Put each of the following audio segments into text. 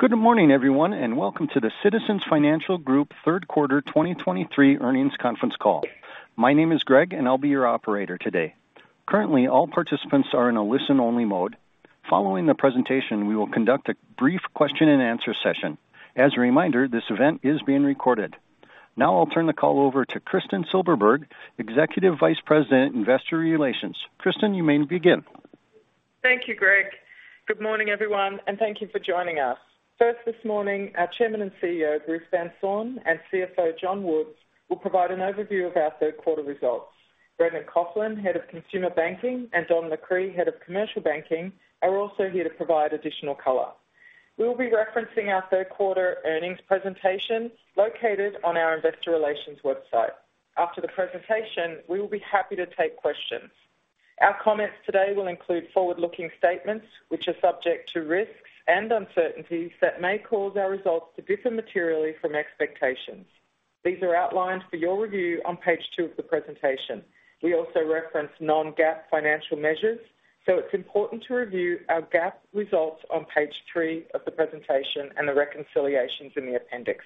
Good morning, everyone, and welcome to the Citizens Financial Group Third Quarter 2023 Earnings Conference Call. My name is Greg, and I'll be your operator today. Currently, all participants are in a listen-only mode. Following the presentation, we will conduct a brief question-and-answer session. As a reminder, this event is being recorded. Now I'll turn the call over to Kristin Silberberg, Executive Vice President, Investor Relations. Kristin, you may begin. Thank you, Greg. Good morning, everyone, and thank you for joining us. First, this morning, our Chairman and CEO, Bruce Van Saun, and CFO, John Woods, will provide an overview of our third quarter results. Brendan Coughlin, Head of Consumer Banking, and Don McCree, Head of Commercial Banking, are also here to provide additional color. We will be referencing our third quarter earnings presentation located on our investor relations website. After the presentation, we will be happy to take questions. Our comments today will include forward-looking statements, which are subject to risks and uncertainties that may cause our results to differ materially from expectations. These are outlined for your review on page two of the presentation. We also reference non-GAAP financial measures, so it's important to review our GAAP results on page three of the presentation and the reconciliations in the appendix.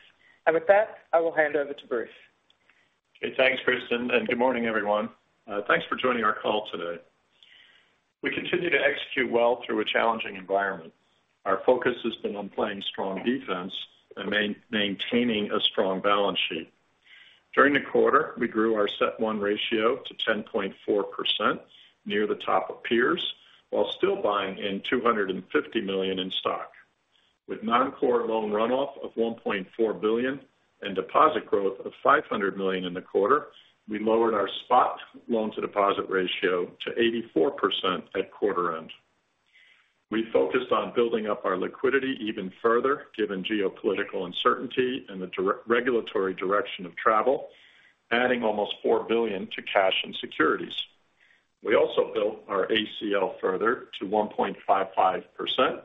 With that, I will hand over to Bruce. Okay, thanks, Kristin, and good morning, everyone. Thanks for joining our call today. We continue to execute well through a challenging environment. Our focus has been on playing strong defense and maintaining a strong balance sheet. During the quarter, we grew our CET1 ratio to 10.4%, near the top of peers, while still buying in $250 million in stock. With Non-Core loan runoff of $1.4 billion and deposit growth of $500 million in the quarter, we lowered our spot loan-to-deposit ratio to 84% at quarter end. We focused on building up our liquidity even further, given geopolitical uncertainty and the regulatory direction of travel, adding almost $4 billion to cash and securities. We also built our ACL further to 1.55%,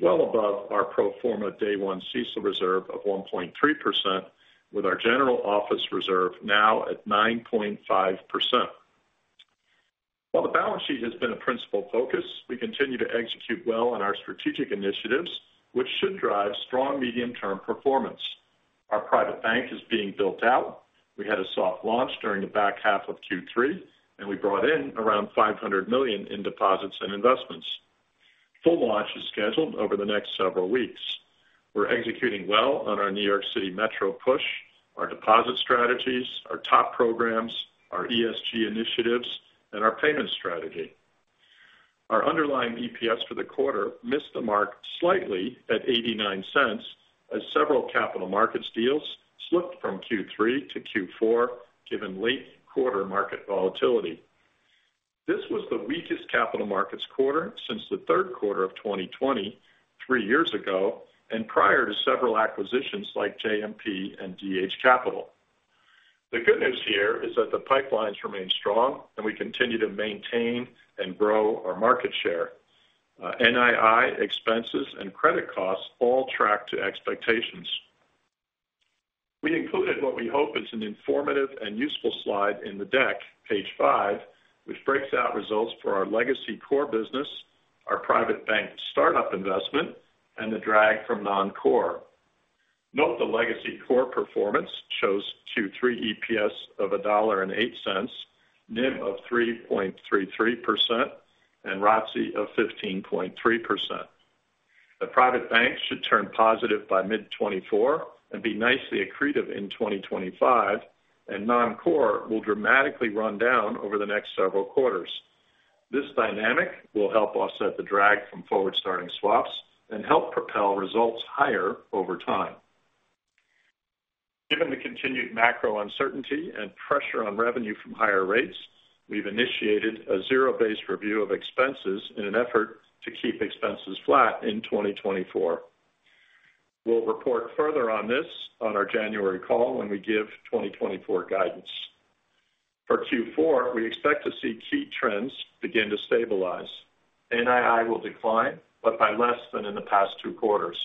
well above our pro forma day one CECL reserve of 1.3%, with our general office reserve now at 9.5%. While the balance sheet has been a principal focus, we continue to execute well on our strategic initiatives, which should drive strong medium-term performance. Our Private Bank is being built out. We had a soft launch during the back half of Q3, and we brought in around $500 million in deposits and investments. Full launch is scheduled over the next several weeks. We're executing well on our New York City metro push, our deposit strategies, our TOP programs, our ESG initiatives, and our payment strategy. Our underlying EPS for the quarter missed the mark slightly at $0.89, as several capital markets deals slipped from Q3 to Q4, given late-quarter market volatility. This was the weakest capital markets quarter since the third quarter of 2020, three years ago, and prior to several acquisitions like JMP and DH Capital. The good news here is that the pipelines remain strong, and we continue to maintain and grow our market share. NII, expenses, and credit costs all track to expectations. We included what we hope is an informative and useful slide in the deck, page 5, which breaks out results for our legacy core business, our Private Bank startup investment, and the drag from Non-Core. Note the legacy core performance shows Q3 EPS of $1.08, NIM of 3.33%, and ROTCE of 15.3%. The Private Bank should turn positive by mid-2024 and be nicely accretive in 2025, and Non-Core will dramatically run down over the next several quarters. This dynamic will help offset the drag from forward-starting swaps and help propel results higher over time. Given the continued macro uncertainty and pressure on revenue from higher rates, we've initiated a zero-based review of expenses in an effort to keep expenses flat in 2024. We'll report further on this on our January call when we give 2024 guidance. For Q4, we expect to see key trends begin to stabilize. NII will decline, but by less than in the past two quarters.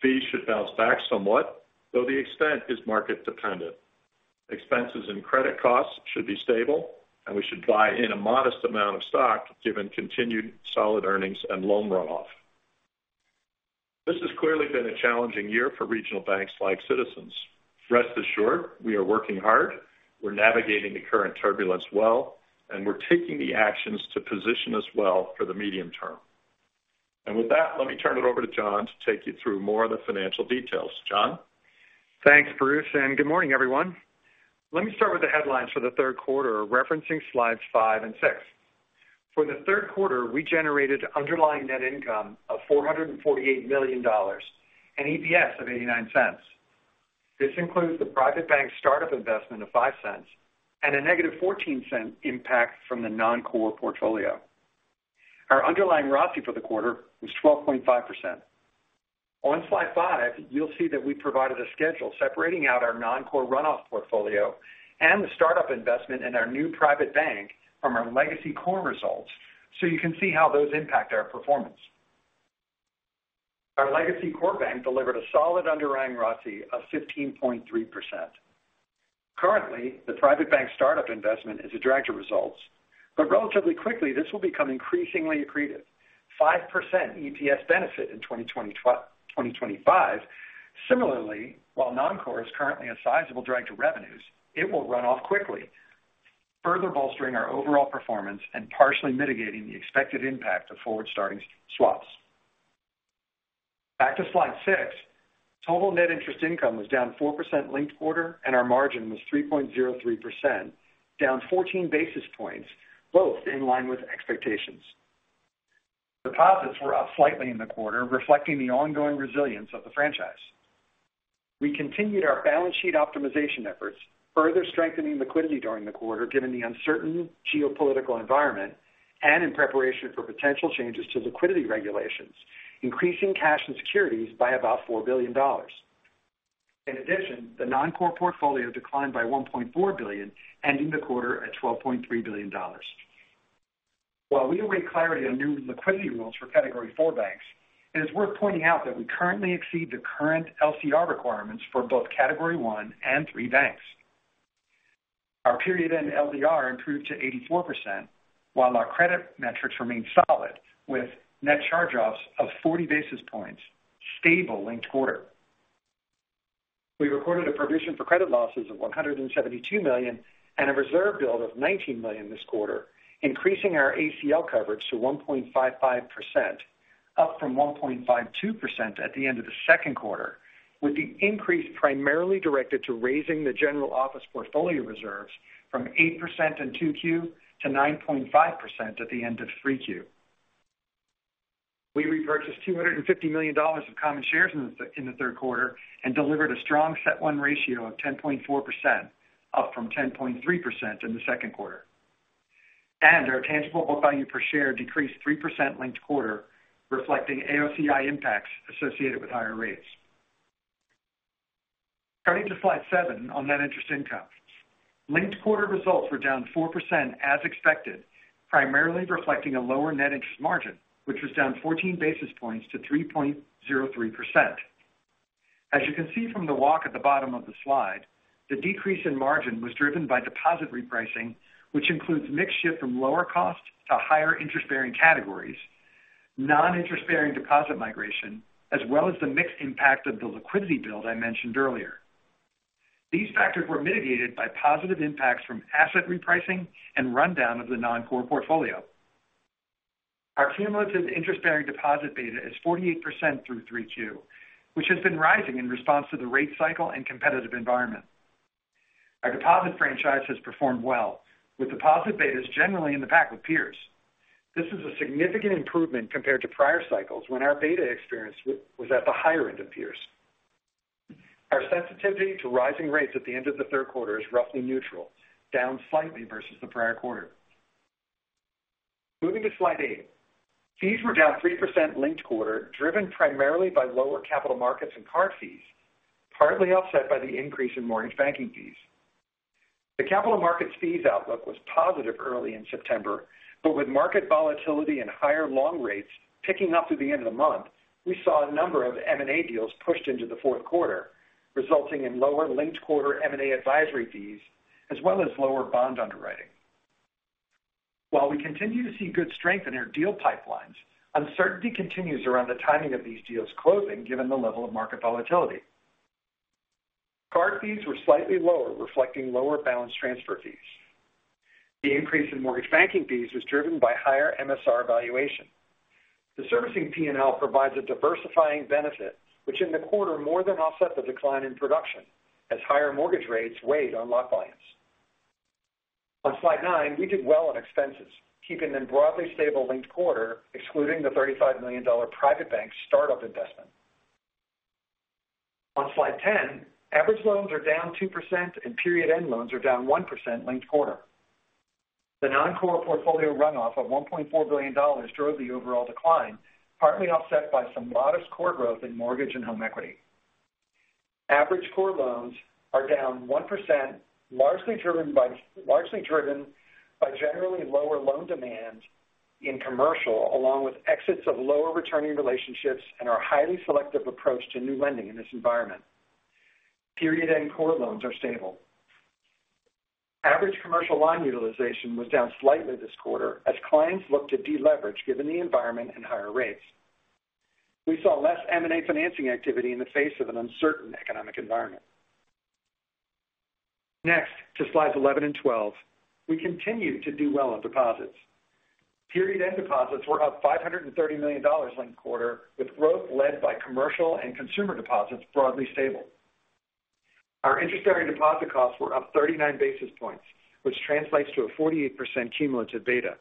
Fees should bounce back somewhat, though the extent is market dependent. Expenses and credit costs should be stable, and we should buy in a modest amount of stock, given continued solid earnings and loan runoff. This has clearly been a challenging year for regional banks like Citizens. Rest assured, we are working hard, we're navigating the current turbulence well, and we're taking the actions to position us well for the medium term. With that, let me turn it over to John to take you through more of the financial details. John? Thanks, Bruce, and good morning, everyone. Let me start with the headlines for the third quarter, referencing slides 5 and 6. For the third quarter, we generated underlying net income of $448 million and EPS of $0.89. This includes the Private Bank startup investment of $0.05 and a negative $0.14 impact from the Non-Core portfolio. Our underlying ROTCE for the quarter was 12.5%. On slide 5, you'll see that we provided a schedule separating out our Non-Core runoff portfolio and the startup investment in our new Private Bank from our legacy core results so you can see how those impact our performance. Our legacy core bank delivered a solid underlying ROTCE of 15.3%. Currently, the Private Bank startup investment is a drag to results, but relatively quickly, this will become increasingly accretive. 5% EPS benefit in 2025. Similarly, while non-core is currently a sizable drag to revenues, it will run off quickly, further bolstering our overall performance and partially mitigating the expected impact of forward starting swaps. Back to slide six. Total net interest income was down 4% linked quarter, and our margin was 3.03%, down 14 basis points, both in line with expectations. Deposits were up slightly in the quarter, reflecting the ongoing resilience of the franchise. We continued our balance sheet optimization efforts, further strengthening liquidity during the quarter, given the uncertain geopolitical environment and in preparation for potential changes to liquidity regulations, increasing cash and securities by about $4 billion. In addition, the non-core portfolio declined by $1.4 billion, ending the quarter at $12.3 billion. While we await clarity on new liquidity rules for Category IV banks, it is worth pointing out that we currently exceed the current LCR requirements for both Category I and III banks. Our period-end LDR improved to 84%, while our credit metrics remained solid, with net charge-offs of 40 basis points, stable linked quarter. We recorded a provision for credit losses of $172 million and a reserve build of $19 million this quarter, increasing our ACL coverage to 1.55%, up from 1.52% at the end of the second quarter, with the increase primarily directed to raising the general office portfolio reserves from 8% in Q2 to 9.5% at the end of Q3. We repurchased $250 million of common shares in the third quarter and delivered a strong CET1 ratio of 10.4%, up from 10.3% in the second quarter. Our tangible book value per share decreased 3% linked-quarter, reflecting AOCI impacts associated with higher rates. Turning to slide 7 on net interest income. Linked-quarter results were down 4% as expected, primarily reflecting a lower net interest margin, which was down 14 basis points to 3.03%. As you can see from the walk at the bottom of the slide, the decrease in margin was driven by deposit repricing, which includes mix shift from lower cost to higher interest-bearing categories, non-interest-bearing deposit migration, as well as the mix impact of the liquidity build I mentioned earlier. These factors were mitigated by positive impacts from asset repricing and rundown of the non-core portfolio. Our cumulative interest-bearing deposit beta is 48% through Q3, which has been rising in response to the rate cycle and competitive environment. Our deposit franchise has performed well, with deposit betas generally in the back with peers. This is a significant improvement compared to prior cycles, when our beta experience was at the higher end of peers. Our sensitivity to rising rates at the end of the third quarter is roughly neutral, down slightly versus the prior quarter. Moving to slide 8. Fees were down 3% linked quarter, driven primarily by lower capital markets and card fees, partly offset by the increase in mortgage banking fees. The capital markets fees outlook was positive early in September, but with market volatility and higher long rates picking up through the end of the month, we saw a number of M&A deals pushed into the fourth quarter, resulting in lower linked quarter M&A advisory fees, as well as lower bond underwriting. While we continue to see good strength in our deal pipelines, uncertainty continues around the timing of these deals closing, given the level of market volatility. Card fees were slightly lower, reflecting lower balance transfer fees. The increase in mortgage banking fees was driven by higher MSR valuation. The servicing P&L provides a diversifying benefit, which in the quarter more than offset the decline in production as higher mortgage rates weighed on lock clients. On slide 9, we did well on expenses, keeping them broadly stable linked quarter, excluding the $35 million Private Bank startup investment. On Slide 10, average loans are down 2%, and period-end loans are down 1% linked quarter. The non-core portfolio runoff of $1.4 billion drove the overall decline, partly offset by some modest core growth in mortgage and home equity. Average core loans are down 1%, largely driven by, largely driven by generally lower loan demand in commercial, along with exits of lower returning relationships and our highly selective approach to new lending in this environment. Period-end core loans are stable. Average commercial line utilization was down slightly this quarter as clients looked to deleverage given the environment and higher rates. We saw less M&A financing activity in the face of an uncertain economic environment. Next to slides 11 and 12. We continued to do well on deposits. Period-end deposits were up $530 million linked-quarter, with growth led by commercial and consumer deposits broadly stable. Our interest-bearing deposit costs were up 39 basis points, which translates to a 48% cumulative beta.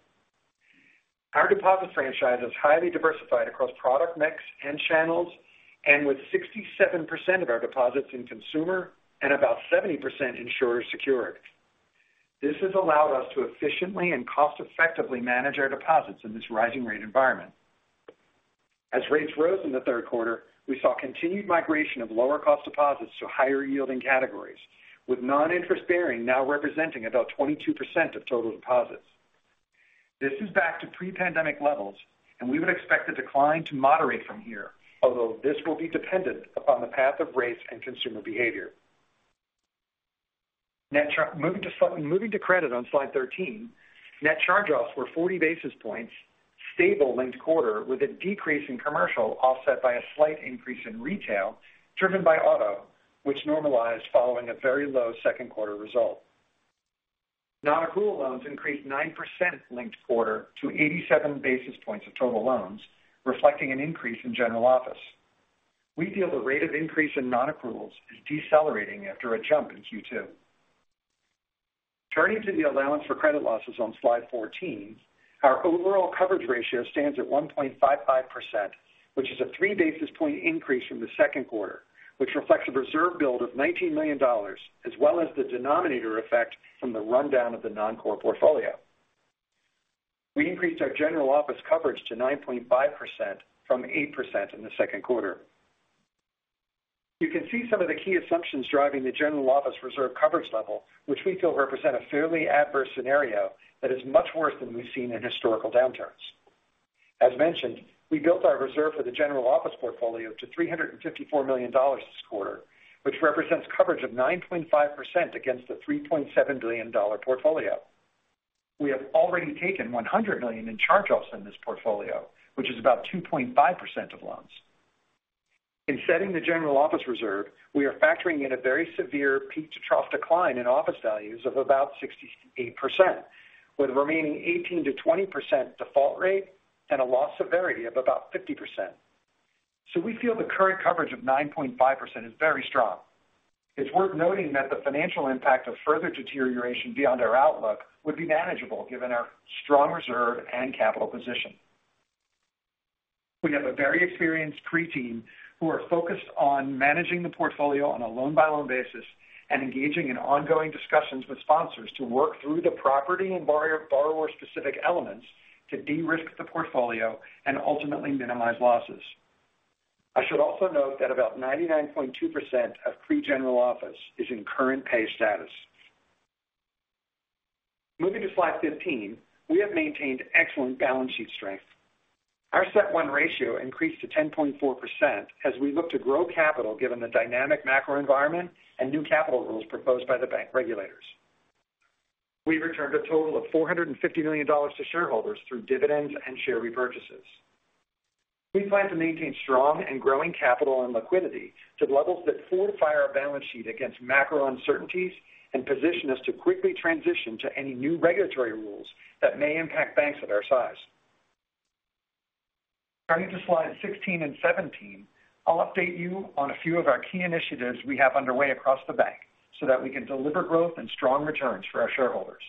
Our deposit franchise is highly diversified across product mix and channels, and with 67% of our deposits in consumer and about 70% insured. This has allowed us to efficiently and cost-effectively manage our deposits in this rising rate environment. As rates rose in the third quarter, we saw continued migration of lower cost deposits to higher yielding categories, with non-interest bearing now representing about 22% of total deposits. This is back to pre-pandemic levels, and we would expect the decline to moderate from here, although this will be dependent upon the path of rates and consumer behavior. Moving to credit on slide 13, net charge-offs were 40 basis points, stable linked quarter, with a decrease in commercial offset by a slight increase in retail, driven by auto, which normalized following a very low second quarter result. Nonaccrual loans increased 9% linked quarter to 87 basis points of total loans, reflecting an increase in general office. We feel the rate of increase in nonaccruals is decelerating after a jump in Q2. Turning to the allowance for credit losses on slide 14, our overall coverage ratio stands at 1.55%, which is a 3 basis point increase from the second quarter, which reflects a reserve build of $19 million, as well as the denominator effect from the rundown of the Non-Core portfolio. We increased our general office coverage to 9.5% from 8% in the second quarter. You can see some of the key assumptions driving the general office reserve coverage level, which we feel represent a fairly adverse scenario that is much worse than we've seen in historical downturns. As mentioned, we built our reserve for the general office portfolio to $354 million this quarter, which represents coverage of 9.5% against the $3.7 billion portfolio. We have already taken $100 million in charge-offs in this portfolio, which is about 2.5% of loans. In setting the general office reserve, we are factoring in a very severe peak-to-trough decline in office values of about 68%, with remaining 18%-20% default rate and a loss severity of about 50%. So we feel the current coverage of 9.5% is very strong. It's worth noting that the financial impact of further deterioration beyond our outlook would be manageable, given our strong reserve and capital position. We have a very experienced CRE team who are focused on managing the portfolio on a loan-by-loan basis and engaging in ongoing discussions with sponsors to work through the property and borrower, borrower-specific elements to de-risk the portfolio and ultimately minimize losses. I should also note that about 99.2% of CRE general office is in current pay status. Moving to slide 15, we have maintained excellent balance sheet strength. Our CET1 ratio increased to 10.4% as we look to grow capital, given the dynamic macro environment and new capital rules proposed by the bank regulators. We've returned a total of $450 million to shareholders through dividends and share repurchases. We plan to maintain strong and growing capital and liquidity to levels that fortify our balance sheet against macro uncertainties and position us to quickly transition to any new regulatory rules that may impact banks of our size. Turning to slides 16 and 17, I'll update you on a few of our key initiatives we have underway across the bank, so that we can deliver growth and strong returns for our shareholders.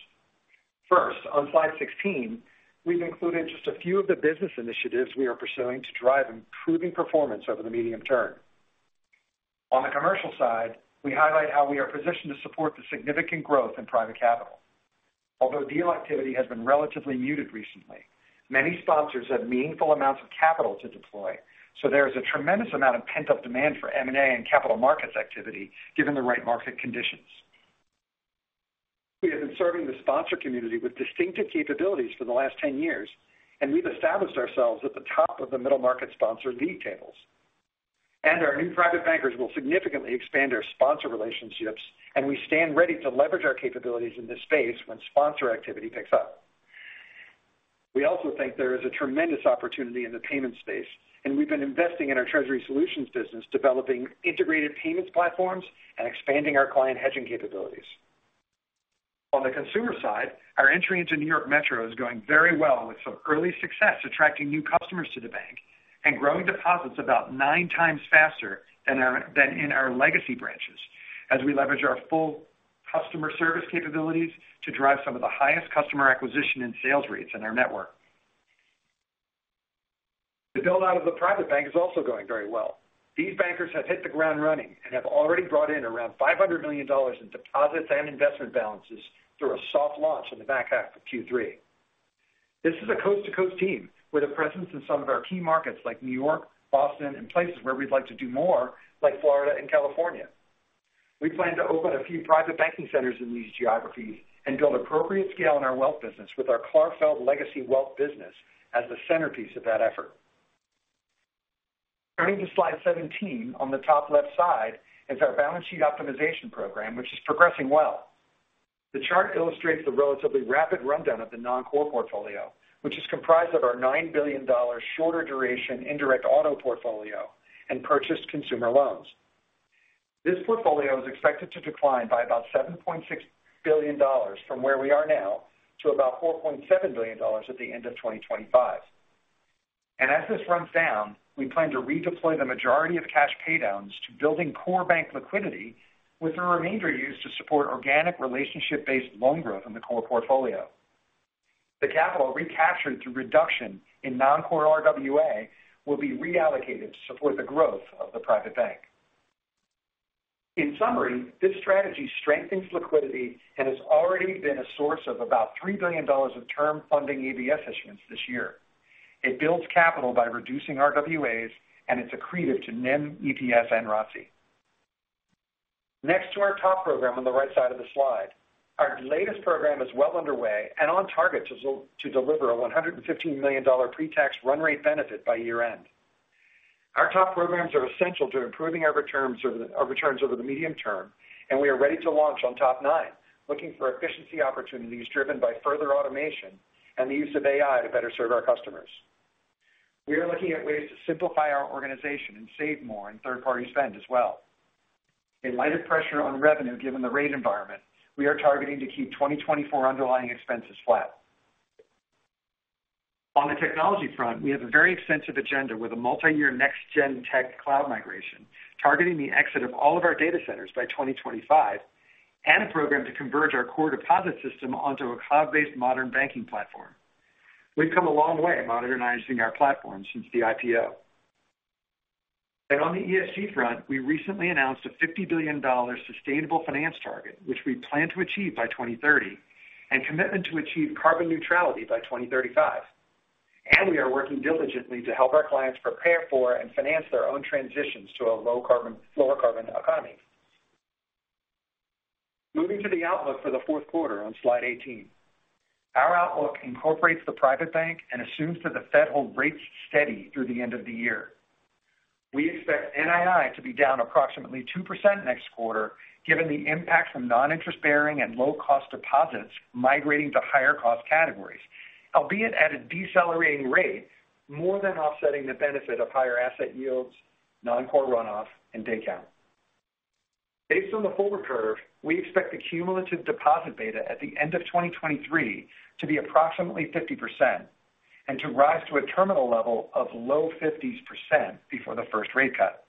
First, on slide 16, we've included just a few of the business initiatives we are pursuing to drive improving performance over the medium term. On the commercial side, we highlight how we are positioned to support the significant growth in private capital. Although deal activity has been relatively muted recently, many sponsors have meaningful amounts of capital to deploy, so there is a tremendous amount of pent-up demand for M&A and capital markets activity, given the right market conditions. We have been serving the sponsor community with distinctive capabilities for the last 10 years, and we've established ourselves at the top of the middle market sponsor lead tables. Our new Private Bankers will significantly expand our sponsor relationships, and we stand ready to leverage our capabilities in this space when sponsor activity picks up. We also think there is a tremendous opportunity in the payment space, and we've been investing in our treasury solutions business, developing integrated payments platforms and expanding our client hedging capabilities. On the consumer side, our entry into New York metro is going very well, with some early success attracting new customers to the bank and growing deposits about 9 times faster than in our legacy branches, as we leverage our full customer service capabilities to drive some of the highest customer acquisition and sales rates in our network. The build-out of the Private Bank is also going very well. These bankers have hit the ground running and have already brought in around $500 million in deposits and investment balances through a soft launch in the back half of Q3. This is a coast-to-coast team with a presence in some of our key markets like New York, Boston, and places where we'd like to do more, like Florida and California. We plan to open a few Private Banking centers in these geographies and build appropriate scale in our wealth business with our Clarfeld legacy wealth business as the centerpiece of that effort. Turning to slide 17, on the top left side is our balance sheet optimization program, which is progressing well. The chart illustrates the relatively rapid rundown of the Non-Core portfolio, which is comprised of our $9 billion shorter duration indirect auto portfolio and purchased consumer loans. This portfolio is expected to decline by about $7.6 billion from where we are now to about $4.7 billion at the end of 2025. And as this runs down, we plan to redeploy the majority of cash paydowns to building core bank liquidity, with the remainder used to support organic relationship-based loan growth in the core portfolio. The capital recaptured through reduction in Non-Core RWA will be reallocated to support the growth of the Private Bank. In summary, this strategy strengthens liquidity and has already been a source of about $3 billion of term funding ABS issuance this year. It builds capital by reducing RWAs, and it's accretive to NIM, EPS, and ROCE. Next, our TOP program on the right side of the slide. Our latest program is well underway and on target to deliver a $115 million pre-tax run rate benefit by year-end. Our TOP programs are essential to improving our returns over the medium term, and we are ready to launch on TOP 9, looking for efficiency opportunities driven by further automation and the use of AI to better serve our customers. We are looking at ways to simplify our organization and save more in third-party spend as well. In light of pressure on revenue, given the rate environment, we are targeting to keep 2024 underlying expenses flat. On the technology front, we have a very extensive agenda with a multiyear next gen tech cloud migration, targeting the exit of all of our data centers by 2025, and a program to converge our core deposit system onto a cloud-based modern banking platform. We've come a long way modernizing our platform since the IPO. On the ESG front, we recently announced a $50 billion sustainable finance target, which we plan to achieve by 2030, and commitment to achieve carbon neutrality by 2035. We are working diligently to help our clients prepare for and finance their own transitions to a low-carbon lower-carbon economy. Moving to the outlook for the fourth quarter on slide 18. Our outlook incorporates the Private Bank and assumes that the Fed holds rates steady through the end of the year. We expect NII to be down approximately 2% next quarter, given the impact from non-interest bearing and low-cost deposits migrating to higher cost categories, albeit at a decelerating rate, more than offsetting the benefit of higher asset yields, non-core runoff, and day count. Based on the forward curve, we expect the cumulative deposit beta at the end of 2023 to be approximately 50% and to rise to a terminal level of low 50s% before the first rate cut.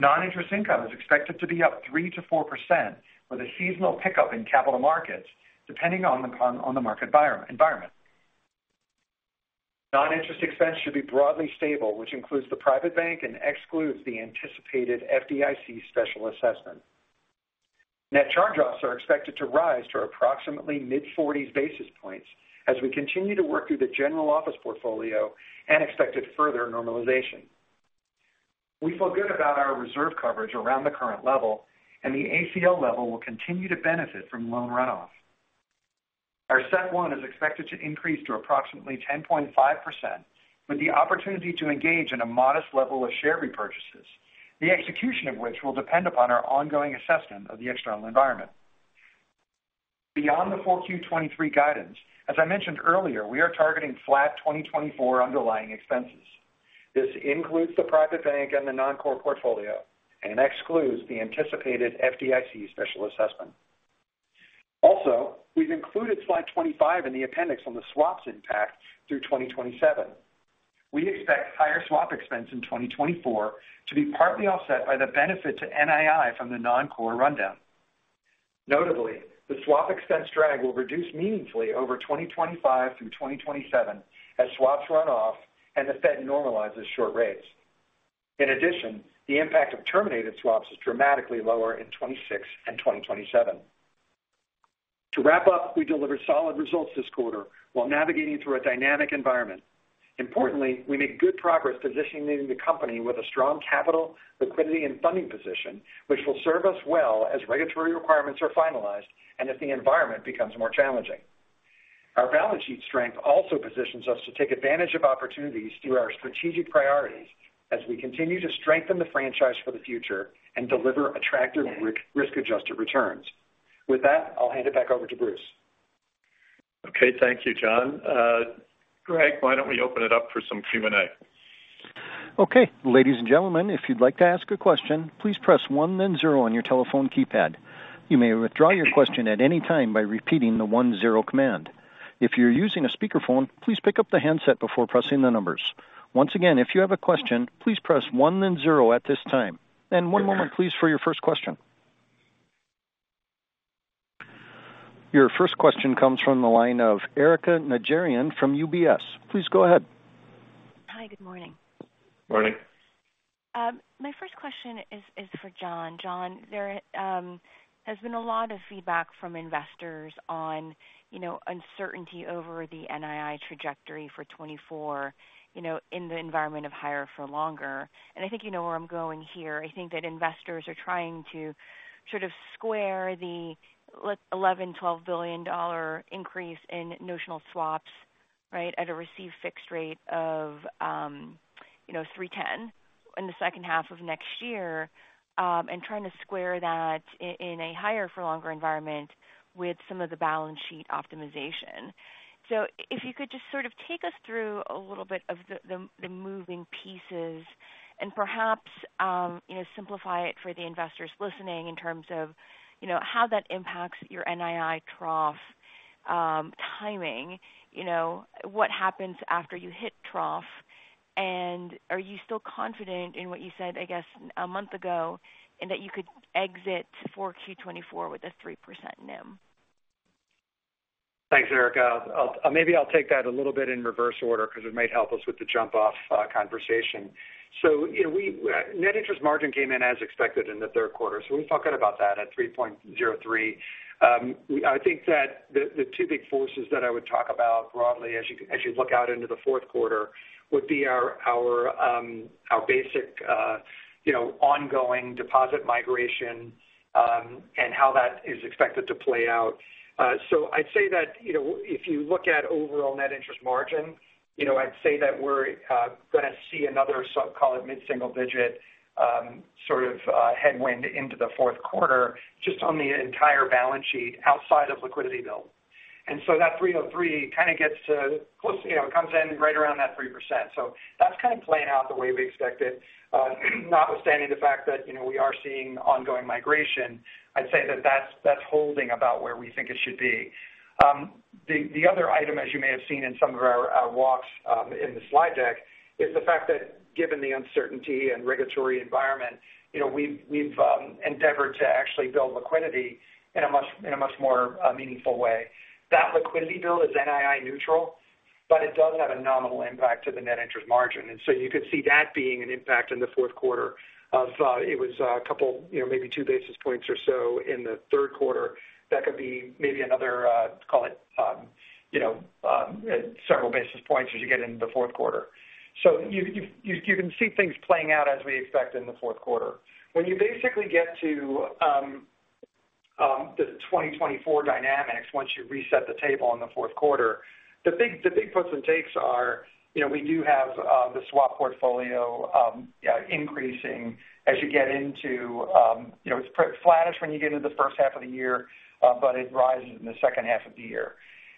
Non-interest income is expected to be up 3%-4%, with a seasonal pickup in capital markets, depending on the market environment. Non-interest expense should be broadly stable, which includes the Private Bank and excludes the anticipated FDIC special assessment. Net charge-offs are expected to rise to approximately mid-forties basis points as we continue to work through the general office portfolio and expect a further normalization. We feel good about our reserve coverage around the current level, and the ACL level will continue to benefit from loan runoff. Our CET1 is expected to increase to approximately 10.5%, with the opportunity to engage in a modest level of share repurchases, the execution of which will depend upon our ongoing assessment of the external environment. Beyond the Q4 2023 guidance, as I mentioned earlier, we are targeting flat 2024 underlying expenses. This includes the Private Bank and the non-core portfolio, and excludes the anticipated FDIC special assessment. Also, we've included slide 25 in the appendix on the swaps impact through 2027. We expect higher swap expense in 2024 to be partly offset by the benefit to NII from the non-core rundown. Notably, the swap expense drag will reduce meaningfully over 2025 through 2027 as swaps run off and the Fed normalizes short rates. In addition, the impact of terminated swaps is dramatically lower in 2026 and 2027. To wrap up, we delivered solid results this quarter while navigating through a dynamic environment. Importantly, we made good progress positioning the company with a strong capital, liquidity, and funding position, which will serve us well as regulatory requirements are finalized and if the environment becomes more challenging. Our balance sheet strength also positions us to take advantage of opportunities through our strategic priorities as we continue to strengthen the franchise for the future and deliver attractive risk, risk-adjusted returns. With that, I'll hand it back over to Bruce. Okay, thank you, John. Greg, why don't we open it up for some Q&A? Okay. Ladies and gentlemen, if you'd like to ask a question, please press one then zero on your telephone keypad. You may withdraw your question at any time by repeating the one-zero command. If you're using a speakerphone, please pick up the handset before pressing the numbers. Once again, if you have a question, please press one then zero at this time. One moment, please, for your first question. Your first question comes from the line of Erika Najarian from UBS. Please go ahead. Hi, good morning. Morning. My first question is for John. John, there has been a lot of feedback from investors on, you know, uncertainty over the NII trajectory for 2024, you know, in the environment of higher for longer. And I think you know where I'm going here. I think that investors are trying to sort of square the eleven, twelve billion dollar increase in notional swaps, right? At a received fixed rate of, you know, 3.10 in the second half of next year, and trying to square that in a higher for longer environment with some of the balance sheet optimization. So if you could just sort of take us through a little bit of the moving pieces and perhaps, you know, simplify it for the investors listening in terms of, you know, how that impacts your NII trough, timing. You know, what happens after you hit trough? And are you still confident in what you said, I guess, a month ago, and that you could exit Q4 2024 with a 3% NIM? Thanks, Erika. I'll maybe take that a little bit in reverse order because it might help us with the jump-off conversation. So, you know, net interest margin came in as expected in the third quarter, so we're talking about that at 3.03%. I think that the two big forces that I would talk about broadly as you look out into the fourth quarter would be our basic, you know, ongoing deposit migration, and how that is expected to play out. So I'd say that, you know, if you look at overall net interest margin, you know, I'd say that we're going to see another, so call it mid-single digit sort of headwind into the fourth quarter, just on the entire balance sheet outside of liquidity build. So that 303 kind of gets to close, you know, comes in right around that 3%. So that's kind of playing out the way we expected. Notwithstanding the fact that, you know, we are seeing ongoing migration, I'd say that's holding about where we think it should be. The other item, as you may have seen in some of our walks, in the slide deck, is the fact that given the uncertainty and regulatory environment, you know, we've endeavored to actually build liquidity in a much more meaningful way. That liquidity build is NII neutral, but it does have a nominal impact to the net interest margin. So you could see that being an impact in the fourth quarter of it was a couple, you know, maybe two basis points or so in the third quarter. That could be maybe another, call it several basis points as you get into the fourth quarter. So you can see things playing out as we expect in the fourth quarter. When you basically get to the 2024 dynamics, once you reset the table in the fourth quarter, the big puts and takes are, you know, we do have the swap portfolio increasing as you get into, you know, it's flattish when you get into the first half of the year, but it rises in the second half of the year.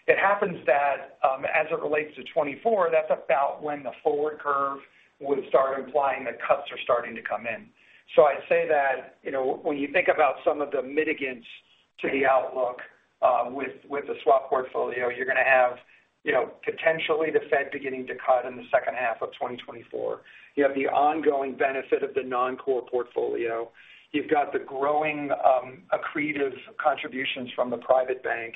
It happens that, as it relates to 2024, that's about when the forward curve would start implying that cuts are starting to come in. So I'd say that, you know, when you think about some of the mitigants to the outlook, with the swap portfolio, you're going to have, you know, potentially the Fed beginning to cut in the second half of 2024. You have the ongoing benefit of the non-core portfolio. You've got the growing, accretive contributions from the Private Bank.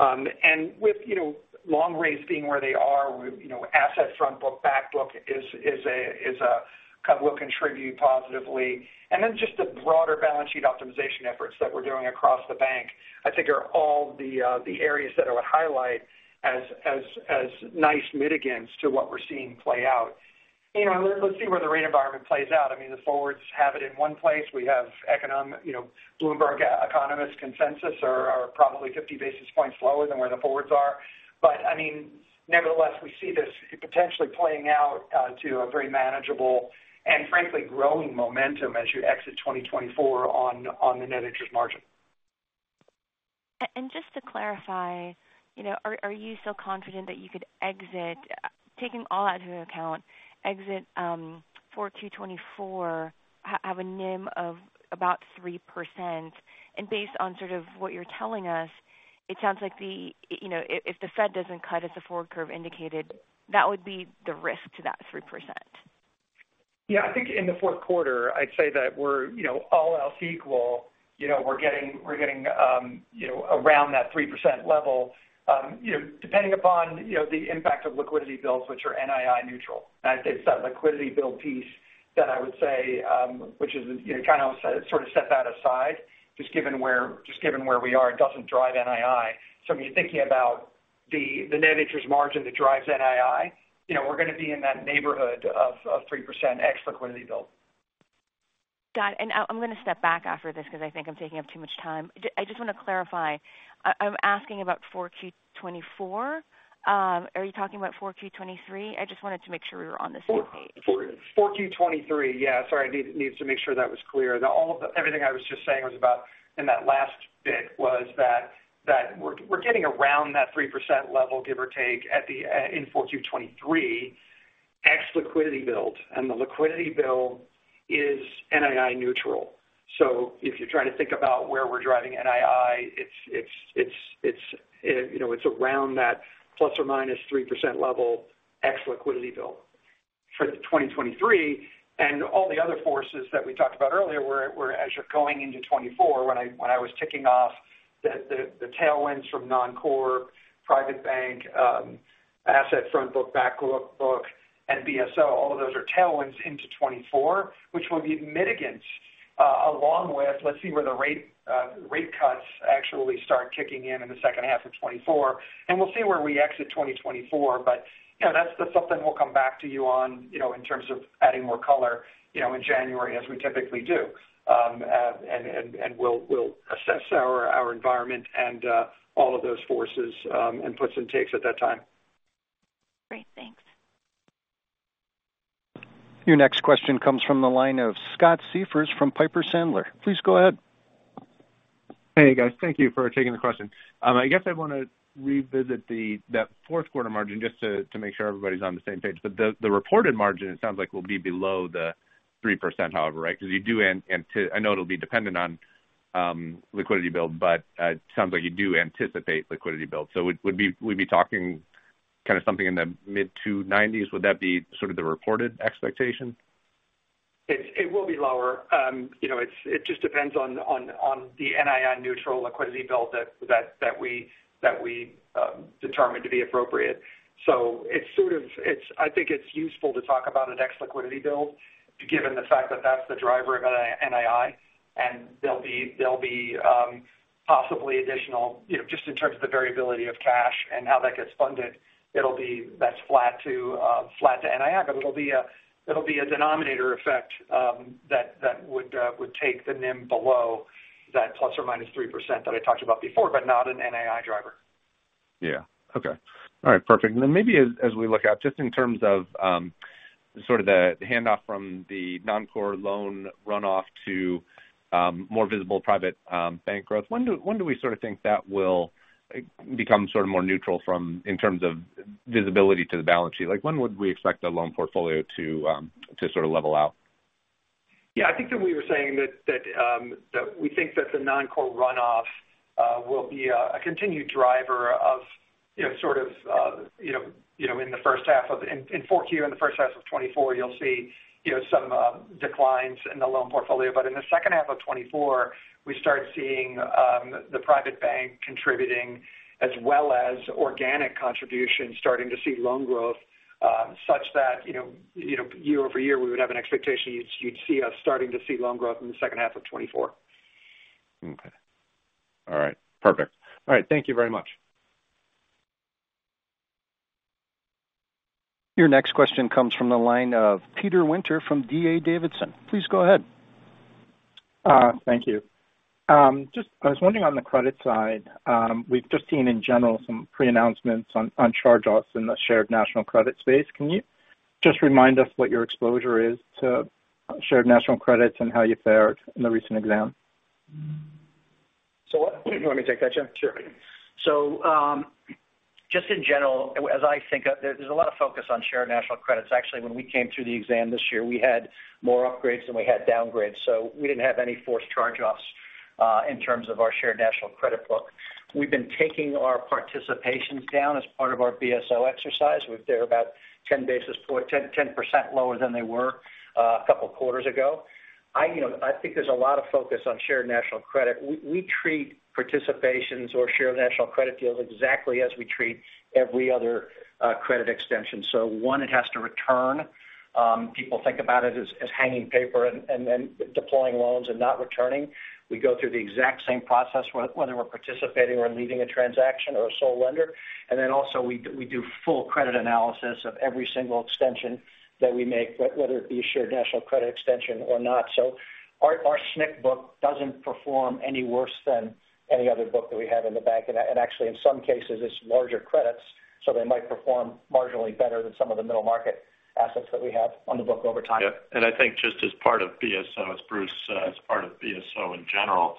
And with, you know, long rates being where they are, you know, asset front book, back book is a kind of will contribute positively. And then just the broader balance sheet optimization efforts that we're doing across the bank, I think are all the areas that I would highlight as nice mitigants to what we're seeing play out. You know, let's see where the rate environment plays out. I mean, the forwards have it in one place. We have economic, you know, Bloomberg economist consensus are probably 50 basis points lower than where the forwards are. But I mean, nevertheless, we see this potentially playing out to a very manageable and frankly growing momentum as you exit 2024 on the net interest margin. Just to clarify, you know, are you still confident that you could exit, taking all that into account, for Q 2024, have a NIM of about 3%? And based on sort of what you're telling us, it sounds like the, you know, if the Fed doesn't cut as the forward curve indicated, that would be the risk to that 3%. Yeah, I think in the fourth quarter, I'd say that we're, you know, all else equal, you know, we're getting around that 3% level, you know, depending upon, you know, the impact of liquidity builds, which are NII neutral. I'd say it's that liquidity build piece that I would say, which is, you know, kind of, sort of set that aside, just given where we are, it doesn't drive NII. So if you're thinking about the net interest margin that drives NII, you know, we're going to be in that neighborhood of 3% ex liquidity build. Got it. I'm going to step back after this because I think I'm taking up too much time. I just want to clarify, I'm asking about Q4 2024. Are you talking about Q4 2023? I just wanted to make sure we were on the same page. Q4 2023. Yeah, sorry, I needed to make sure that was clear. Now, everything I was just saying was about in that last bit was that we're getting around that 3% level, give or take, at the in Q4 2023, ex liquidity build, and the liquidity build is NII neutral. So if you're trying to think about where we're driving NII, it's you know, it's around that ±3% level, ex liquidity build for 2023. All the other forces that we talked about earlier were as you're going into 2024, when I was ticking off the tailwinds from non-core, Private Bank, asset front book, back book, and BSO, all of those are tailwinds into 2024, which will be mitigants along with, let's see where the rate cuts actually start kicking in in the second half of 2024, and we'll see where we exit 2024. But you know, that's something we'll come back to you on in terms of adding more color in January, as we typically do. And we'll assess our environment and all of those forces and puts and takes at that time. Great. Thanks. Your next question comes from the line of Scott Siefers from Piper Sandler. Please go ahead. Hey, guys. Thank you for taking the question. I guess I want to revisit that fourth quarter margin just to make sure everybody's on the same page. But the reported margin, it sounds like, will be below the 3%, however, right? Because you do, and I know it'll be dependent on liquidity build, but it sounds like you do anticipate liquidity build. So we'd be talking kind of something in the mid-2.90s. Would that be sort of the reported expectation? It will be lower. You know, it's—it just depends on the NII neutral liquidity build that we determine to be appropriate. So it's sort of—it's, I think it's useful to talk about the next liquidity build, given the fact that that's the driver of NII, and there'll be possibly additional, you know, just in terms of the variability of cash and how that gets funded. It'll be—that's flat to flat to NII, but it'll be a denominator effect that would take the NIM below that ±3% that I talked about before, but not an NII driver. Yeah. Okay. All right, perfect. And then maybe as we look out, just in terms of sort of the handoff from the non-core loan runoff to more visible Private Bank growth, when do we sort of think that will become sort of more neutral from—in terms of visibility to the balance sheet? Like, when would we expect the loan portfolio to sort of level out? Yeah, I think that we were saying that we think that the non-core runoff will be a continued driver of, you know, sort of, you know, you know, in the first half of, in Q4, in the first half of 2024, you'll see, you know, some declines in the loan portfolio. But in the second half of 2024, we start seeing the Private Bank contributing as well as organic contribution, starting to see loan growth such that, you know, you know, year-over-year, we would have an expectation you'd see us starting to see loan growth in the second half of 2024. Okay. All right. Perfect. All right. Thank you very much. Your next question comes from the line of Peter Winter from D.A. Davidson. Please go ahead. Thank you. Just—I was wondering on the credit side, we've just seen in general some pre-announcements on charge-offs in the Shared National Credit space. Can you just remind us what your exposure is to Shared National Credits and how you fared in the recent exam? So, what, you want me to take that, John? Sure. So, just in general, as I think of, there's a lot of focus on Shared National Credits. Actually, when we came through the exam this year, we had more upgrades than we had downgrades, so we didn't have any forced charge-offs in terms of our Shared National Credit book. We've been taking our participations down as part of our BSO exercise. They're about 10 basis points, 10% lower than they were a couple of quarters ago. I, you know, I think there's a lot of focus on Shared National Credit. We, we treat participations or Shared National Credit deals exactly as we treat every other credit extension. So one, it has to return. People think about it as hanging paper and then deploying loans and not returning. We go through the exact same process, whether we're participating or leading a transaction or a sole lender. And then also we do full credit analysis of every single extension that we make, whether it be a Shared National Credit extension or not. So our SNC book doesn't perform any worse than any other book that we have in the bank. And actually, in some cases, it's larger credits, so they might perform marginally better than some of the middle market assets that we have on the book over time. Yeah, and I think just as part of BSO, as Bruce said, as part of BSO in general,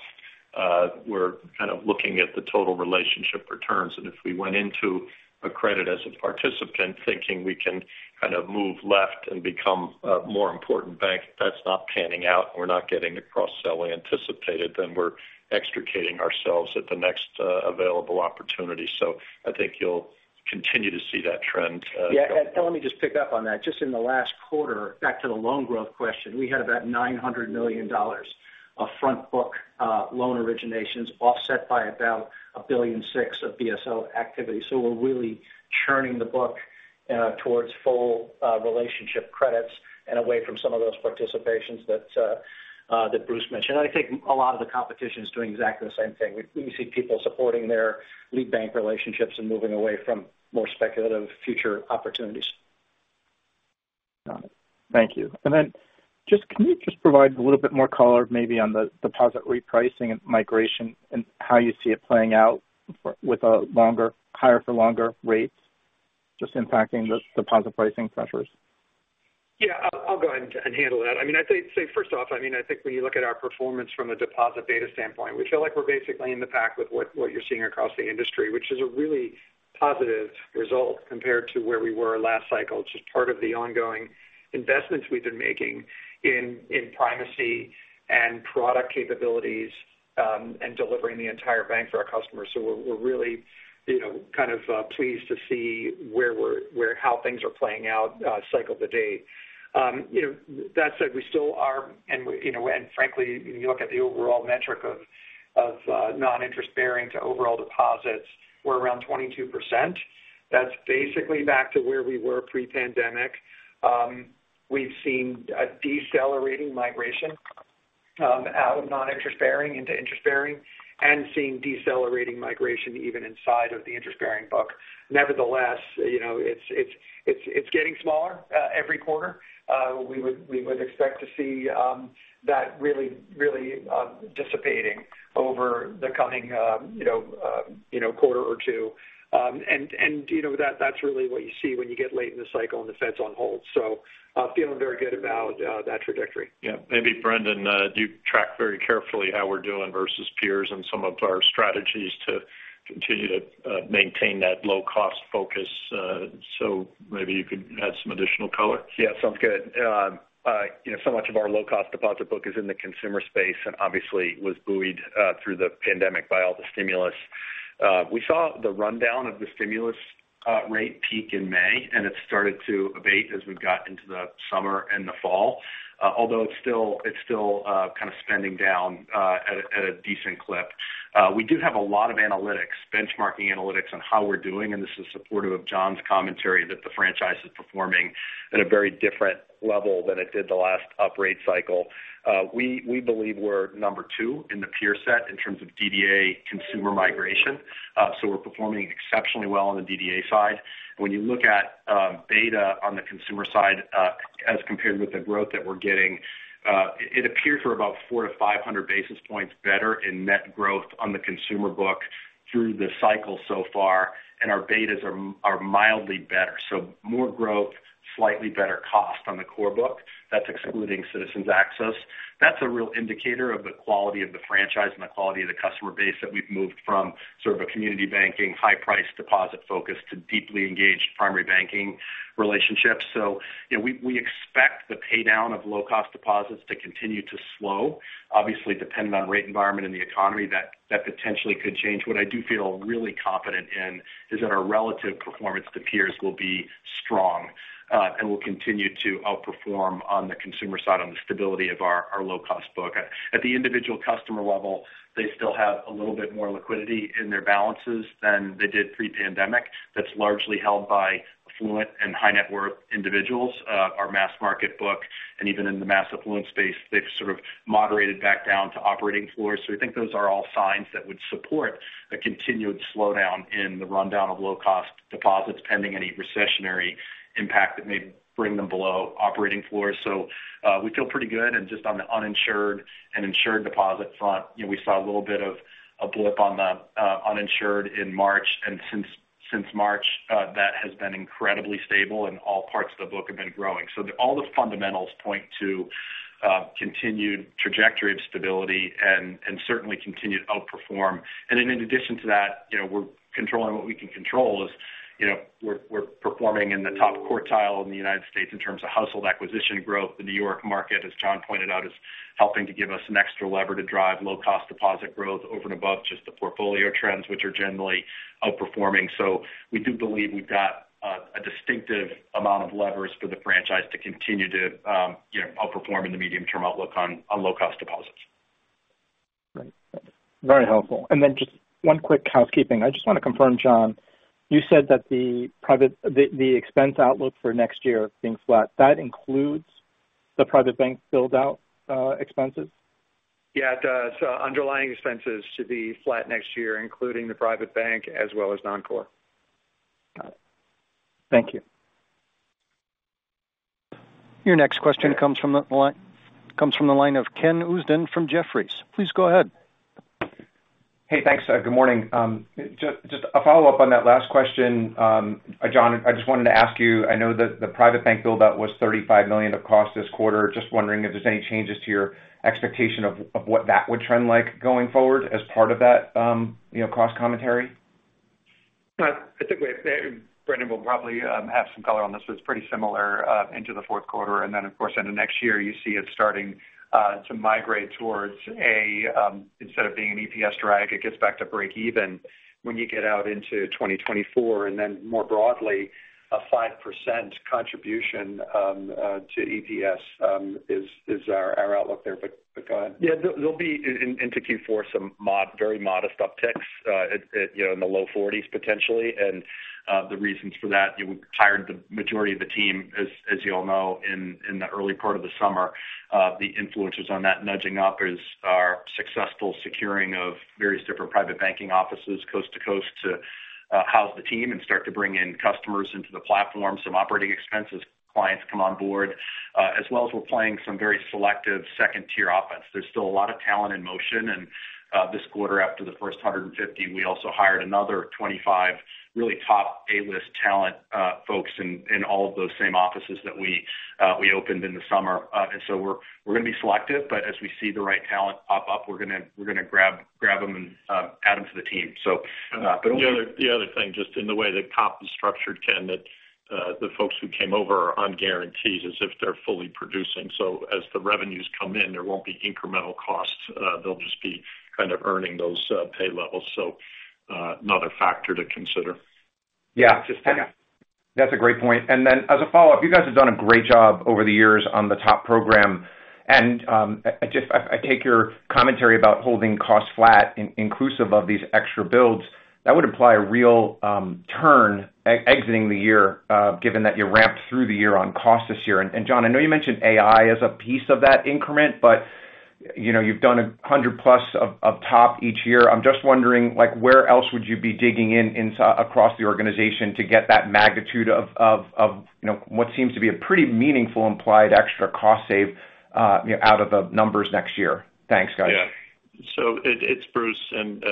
we're kind of looking at the total relationship returns. And if we went into a credit as a participant, thinking we can kind of move left and become a more important bank, that's not panning out, we're not getting the cross-sell we anticipated, then we're extricating ourselves at the next, available opportunity. So I think you'll continue to see that trend. Yeah, and let me just pick up on that. Just in the last quarter, back to the loan growth question, we had about $900 million of front book loan originations, offset by about $1.6 billion of BSO activity. So we're really churning the book towards full relationship credits and away from some of those participations that that Bruce mentioned. I think a lot of the competition is doing exactly the same thing. We, we see people supporting their lead bank relationships and moving away from more speculative future opportunities. Got it. Thank you. And then just, can you just provide a little bit more color maybe on the deposit repricing and migration and how you see it playing out with a longer, higher for longer rates, just impacting the deposit pricing pressures? Yeah, I'll go ahead and handle that. I mean, I'd say first off, I mean, I think when you look at our performance from a deposit beta standpoint, we feel like we're basically in the pack with what you're seeing across the industry, which is a really positive result compared to where we were last cycle. It's just part of the ongoing investments we've been making in primacy and product capabilities, and delivering the entire bank to our customers. So we're really, you know, kind of pleased to see where we're, how things are playing out cycle to date. You know, that said, we still are, and we, you know, and frankly, when you look at the overall metric of non-interest bearing to overall deposits, we're around 22%. That's basically back to where we were pre-pandemic. We've seen a decelerating migration out of noninterest-bearing into interest-bearing and seeing decelerating migration even inside of the interest-bearing book. Nevertheless, you know, it's getting smaller every quarter. We would expect to see that really, really dissipating over the coming, you know, quarter or two. And, you know, that's really what you see when you get late in the cycle and the Fed's on hold. So, feeling very good about that trajectory. Yeah. Maybe, Brendan, you track very carefully how we're doing versus peers and some of our strategies to continue to maintain that low-cost focus. So maybe you could add some additional color. Yeah, sounds good. You know, so much of our low-cost deposit book is in the consumer space, and obviously was buoyed through the pandemic by all the stimulus. We saw the rundown of the stimulus, rate peak in May, and it started to abate as we got into the summer and the fall. Although it's still, it's still, kind of spending down, at, at a decent clip. We do have a lot of analytics, benchmarking analytics on how we're doing, and this is supportive of John's commentary that the franchise is performing at a very different level than it did the last uprate cycle. We, we believe we're number two in the peer set in terms of DDA consumer migration. So we're performing exceptionally well on the DDA side. When you look at beta on the consumer side, as compared with the growth that we're getting, it appears we're about 400-500 basis points better in net growth on the consumer book through the cycle so far, and our betas are mildly better. So more growth, slightly better cost on the core book. That's excluding Citizens Access. That's a real indicator of the quality of the franchise and the quality of the customer base, that we've moved from sort of a community banking, high-price deposit focus to deeply engaged primary banking relationships. So, you know, we expect the pay down of low-cost deposits to continue to slow. Obviously, depending on rate environment and the economy, that potentially could change. What I do feel really confident in is that our relative performance to peers will be strong, and will continue to outperform on the consumer side, on the stability of our low-cost book. At the individual customer level, they still have a little bit more liquidity in their balances than they did pre-pandemic. That's largely held by affluent and high-net-worth individuals. Our mass market book and even in the mass affluent space, they've sort of moderated back down to operating floors. So we think those are all signs that would support a continued slowdown in the rundown of low-cost deposits, pending any recessionary impact that may bring them below operating floors. So, we feel pretty good. And just on the uninsured and insured deposit front, you know, we saw a little bit of a blip on the uninsured in March, and since, since March, that has been incredibly stable, and all parts of the book have been growing. So all the fundamentals point to continued trajectory of stability and, and certainly continued outperform. And then in addition to that, you know, we're controlling what we can control. As you know, we're, we're performing in the top quartile in the United States in terms of household acquisition growth. The New York market, as John pointed out, is helping to give us an extra lever to drive low-cost deposit growth over and above just the portfolio trends, which are generally outperforming. We do believe we've got a distinctive amount of levers for the franchise to continue to, you know, outperform in the medium-term outlook on, on low-cost deposits. Great. Very helpful. Then just one quick housekeeping. I just want to confirm, John, you said that the private expense outlook for next year being flat, that includes the Private Bank build-out expenses? Yeah, it does. So underlying expenses should be flat next year, including the Private Bank as well as Non-Core. Got it. Thank you. Your next question comes from the line of Ken Usdin from Jefferies. Please go ahead. Hey, thanks. Good morning. Just a follow-up on that last question. John, I just wanted to ask you, I know that the Private Bank build-out was $35 million of cost this quarter. Just wondering if there's any changes to your expectation of, of what that would trend like going forward as part of that, you know, cost commentary? I think Brendan will probably have some color on this, but it's pretty similar into the fourth quarter. And then, of course, into next year, you see it starting to migrate towards a instead of being an EPS drag, it gets back to breakeven when you get out into 2024. And then more broadly, a 5% contribution to EPS is our outlook there. But go ahead. Yeah, there'll be into Q4 some very modest upticks, you know, in the low 40s, potentially. And the reasons for that, we hired the majority of the team, as you all know, in the early part of the summer. The influences on that nudging up is our successful securing of various different Private Banking offices, coast to coast, to house the team and start to bring in customers into the platform. Some operating expenses, clients come on board, as well as we're playing some very selective second-tier offense. There's still a lot of talent in motion, and this quarter, after the first 150, we also hired another 25 really top A-list talent, folks in all of those same offices that we opened in the summer. And so we're gonna be selective, but as we see the right talent pop up, we're gonna grab them and add them to the team. So— The other thing, just in the way that TOP is structured, Ken, the folks who came over are on guarantees as if they're fully producing. So as the revenues come in, there won't be incremental costs. They'll just be kind of earning those pay levels. So, another factor to consider. Yeah. Just yeah. That's a great point. And then, as a follow-up, you guys have done a great job over the years on the TOP Program, and I just take your commentary about holding costs flat inclusive of these extra builds. That would imply a real turn exiting the year, given that you ramped through the year on cost this year. And John, I know you mentioned AI as a piece of that increment, but, you know, you've done 100 plus of TOP each year. I'm just wondering, like, where else would you be digging in across the organization to get that magnitude of, you know, what seems to be a pretty meaningful implied extra cost save out of the numbers next year? Thanks, guys. Yeah. So it's Bruce, and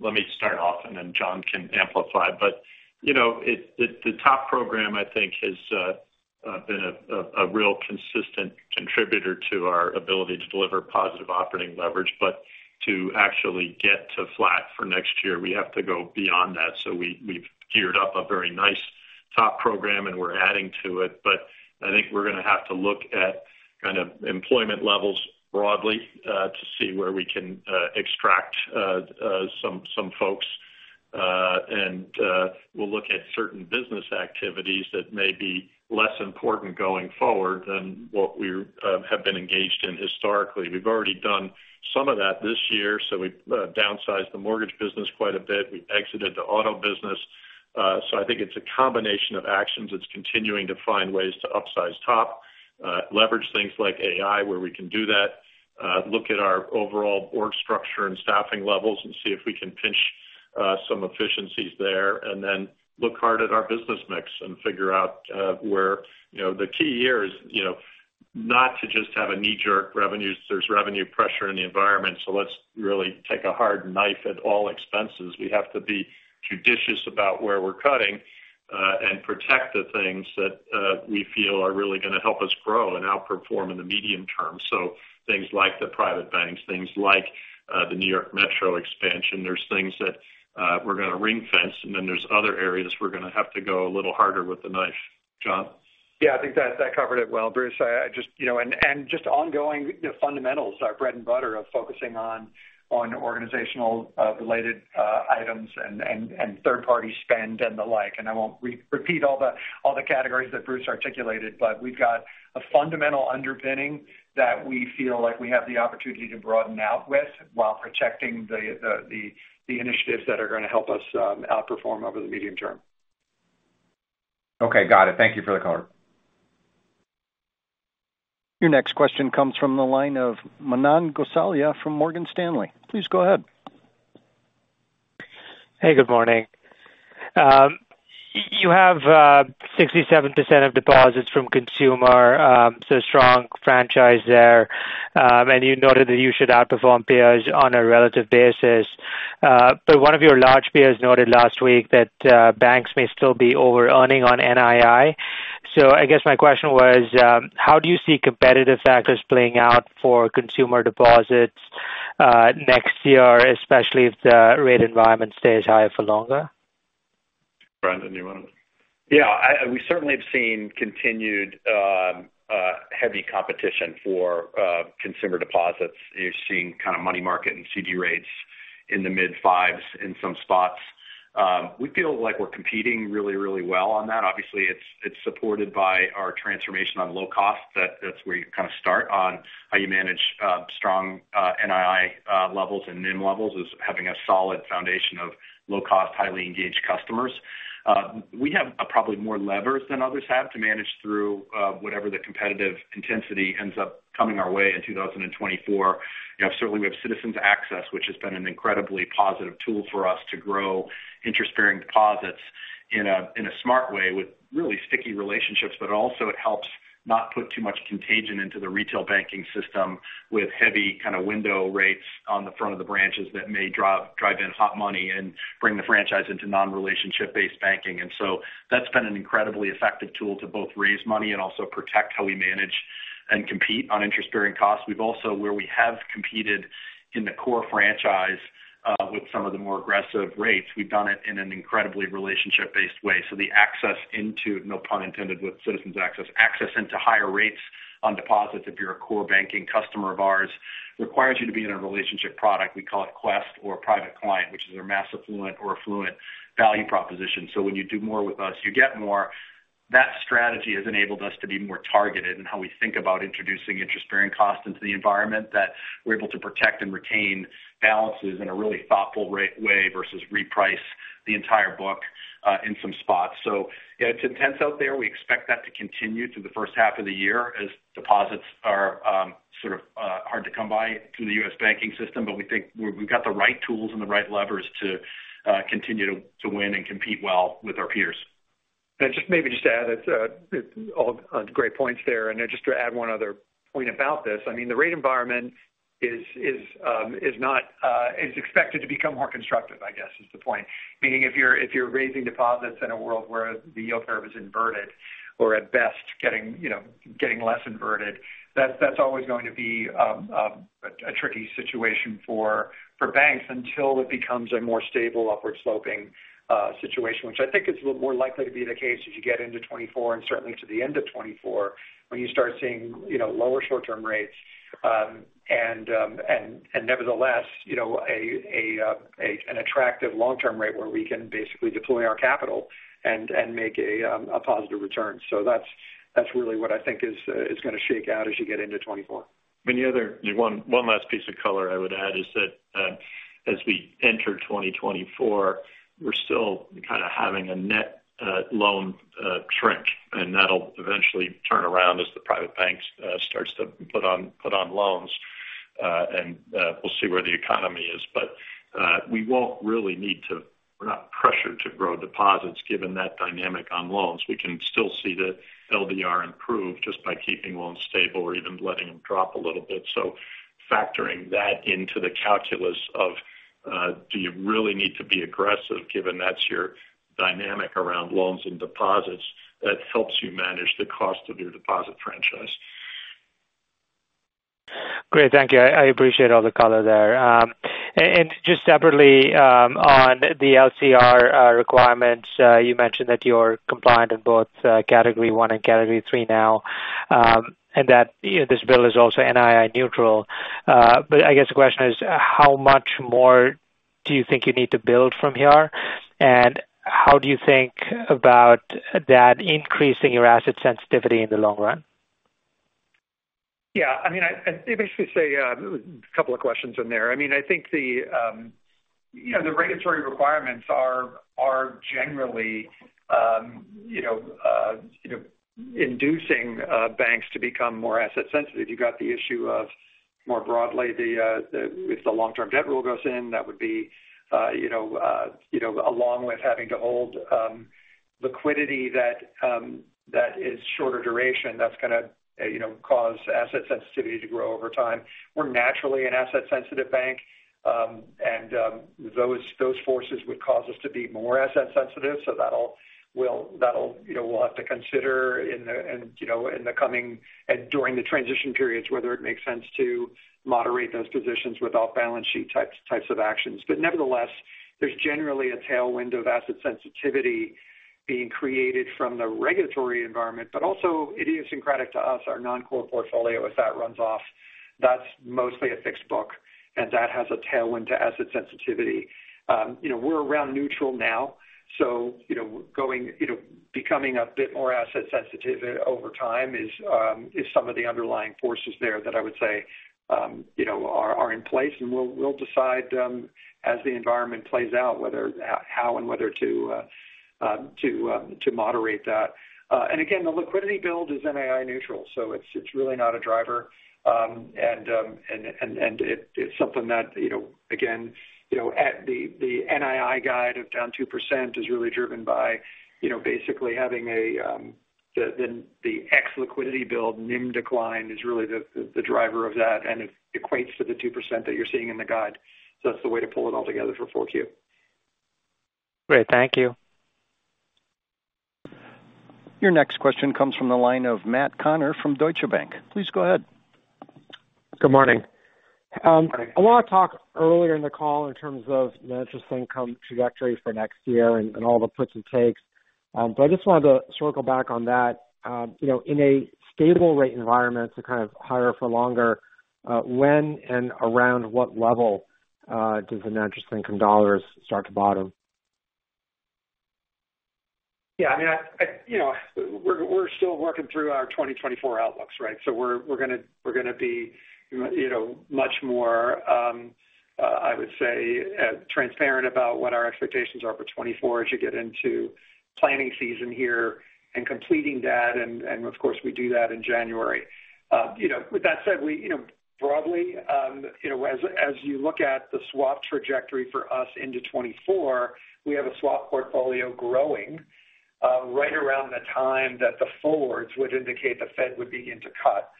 let me start off, and then John can amplify. But, you know, the TOP program, I think, has been a real consistent contributor to our ability to deliver positive operating leverage. But to actually get to flat for next year, we have to go beyond that. So we've geared up a very nice TOP program and we're adding to it. But I think we're gonna have to look at kind of employment levels broadly to see where we can extract some folks. And we'll look at certain business activities that may be less important going forward than what we have been engaged in historically. We've already done some of that this year, so we've downsized the mortgage business quite a bit. We've exited the auto business. So I think it's a combination of actions that's continuing to find ways to upsize TOP, leverage things like AI, where we can do that, look at our overall org structure and staffing levels and see if we can pinch some efficiencies there, and then look hard at our business mix and figure out where. You know, the key here is, you know, not to just have a knee-jerk revenue. There's revenue pressure in the environment, so let's really take a hard knife at all expenses. We have to be judicious about where we're cutting and protect the things that we feel are really gonna help us grow and outperform in the medium term. So things like the Private Bank, things like the New York Metro expansion. There's things that, we're gonna ring fence, and then there's other areas we're gonna have to go a little harder with the knife. John? Yeah, I think that, that covered it well, Bruce. I, I just, you know, and, and just ongoing, the fundamentals, our bread and butter of focusing on, on organizational related items and, and, and third-party spend and the like. And I won't re-repeat all the, all the categories that Bruce articulated, but we've got a fundamental underpinning that we feel like we have the opportunity to broaden out with while protecting the initiatives that are gonna help us outperform over the medium term. Okay, got it. Thank you for the color. Your next question comes from the line of Manan Gosalia from Morgan Stanley. Please go ahead. Hey, good morning. You have 67% of deposits from consumer, so strong franchise there. And you noted that you should outperform peers on a relative basis. But one of your large peers noted last week that banks may still be overearning on NII. So I guess my question was, how do you see competitive factors playing out for consumer deposits, next year, especially if the rate environment stays higher for longer? Brendan, do you want to? Yeah, we certainly have seen continued heavy competition for consumer deposits. You're seeing kind of money market and CD rates in the mid-5s in some spots. We feel like we're competing really, really well on that. Obviously, it's supported by our transformation on low cost. That's where you kind of start on how you manage strong NII levels and NIM levels, is having a solid foundation of low cost, highly engaged customers. We have probably more levers than others have to manage through whatever the competitive intensity ends up coming our way in 2024. You know, certainly we have Citizens Access, which has been an incredibly positive tool for us to grow interest-bearing deposits in a, in a smart way, with really sticky relationships, but also it helps not put too much contagion into the retail banking system with heavy kind of window rates on the front of the branches that may drive in hot money and bring the franchise into non-relationship-based banking. And so that's been an incredibly effective tool to both raise money and also protect how we manage and compete on interest-bearing costs. We've also, where we have competed in the core franchise with some of the more aggressive rates, we've done it in an incredibly relationship-based way. So the access into, no pun intended, with Citizens Access, access into higher rates on deposits if you're a core banking customer of ours, requires you to be in a relationship product. We call it Quest or Private Client, which is our mass affluent or affluent value proposition. So when you do more with us, you get more. That strategy has enabled us to be more targeted in how we think about introducing interest-bearing costs into the environment, that we're able to protect and retain balances in a really thoughtful way versus reprice the entire book in some spots. So yeah, it's intense out there. We expect that to continue through the first half of the year as deposits are sort of hard to come by through the U.S. banking system. But we think we've got the right tools and the right levers to continue to win and compete well with our peers. And just maybe just to add, it's all great points there. And just to add one other point about this, I mean, the rate environment is expected to become more constructive, I guess, is the point. Meaning, if you're raising deposits in a world where the yield curve is inverted or at best getting, you know, less inverted, that's always going to be a tricky situation for banks until it becomes a more stable, upward sloping situation. Which I think is more likely to be the case as you get into 2024 and certainly to the end of 2024, when you start seeing, you know, lower short-term rates, and nevertheless, you know, an attractive long-term rate where we can basically deploy our capital and make a positive return. So that's really what I think is gonna shake out as you get into 2024. One last piece of color I would add is that, as we enter 2024, we're still kind of having a net loan shrink, and that'll eventually turn around as the Private Bank starts to put on, put on loans, and we'll see where the economy is. But we won't really need to. We're not pressured to grow deposits given that dynamic on loans. We can still see the LDR improve just by keeping loans stable or even letting them drop a little bit. So factoring that into the calculus of do you really need to be aggressive, given that's your dynamic around loans and deposits, that helps you manage the cost of your deposit franchise. Great, thank you. I appreciate all the color there. And just separately, on the LCR requirements, you mentioned that you're compliant in both Category I and Category III now, and that, you know, this bill is also NII neutral. But I guess the question is, how much more do you think you need to build from here? And how do you think about that increasing your asset sensitivity in the long run? Yeah, I mean, I, I'd basically say a couple of questions in there. I mean, I think the, you know, the regulatory requirements are, are generally, you know, you know, inducing banks to become more asset sensitive. You've got the issue of, more broadly, the, the, if the long-term debt rule goes in, that would be, you know, you know, along with having to hold liquidity that, that is shorter duration, that's gonna, you know, cause asset sensitivity to grow over time. We're naturally an asset-sensitive bank, and, those, those forces would cause us to be more asset sensitive, so that'll, we'll, that'll, you know, we'll have to consider in the, in, you know, in the coming-- and during the transition periods, whether it makes sense to moderate those positions with off-balance sheet types, types of actions. But nevertheless, there's generally a tailwind of asset sensitivity being created from the regulatory environment, but also idiosyncratic to us, our non-core portfolio, if that runs off, that's mostly a fixed book, and that has a tailwind to asset sensitivity. You know, we're around neutral now, so you know, going, you know, becoming a bit more asset sensitive over time is some of the underlying forces there that I would say, you know, are in place, and we'll decide as the environment plays out, whether how and whether to moderate that. And again, the liquidity build is NII neutral, so it's really not a driver. And it’s something that, you know, again, you know, at the NII guide of down 2% is really driven by, you know, basically having the excess liquidity build NIM decline is really the driver of that, and it equates to the 2% that you’re seeing in the guide. So that’s the way to pull it all together for Q4. Great. Thank you. Your next question comes from the line of Matt O'Connor from Deutsche Bank. Please go ahead. Good morning. Morning. A lot of talk earlier in the call in terms of net interest income trajectory for next year and, and all the puts and takes, but I just wanted to circle back on that. You know, in a stable rate environment to kind of higher for longer, when and around what level does the net interest income dollars start to bottom? Yeah, I mean, you know, we're still working through our 2024 outlooks, right? So we're gonna be, you know, much more, I would say, transparent about what our expectations are for 2024 as you get into planning season here and completing that, and of course, we do that in January. You know, with that said, we, you know, broadly, you know, as you look at the swap trajectory for us into 2024, we have a swap portfolio growing, right around the time that the forwards would indicate the Fed would begin to cut.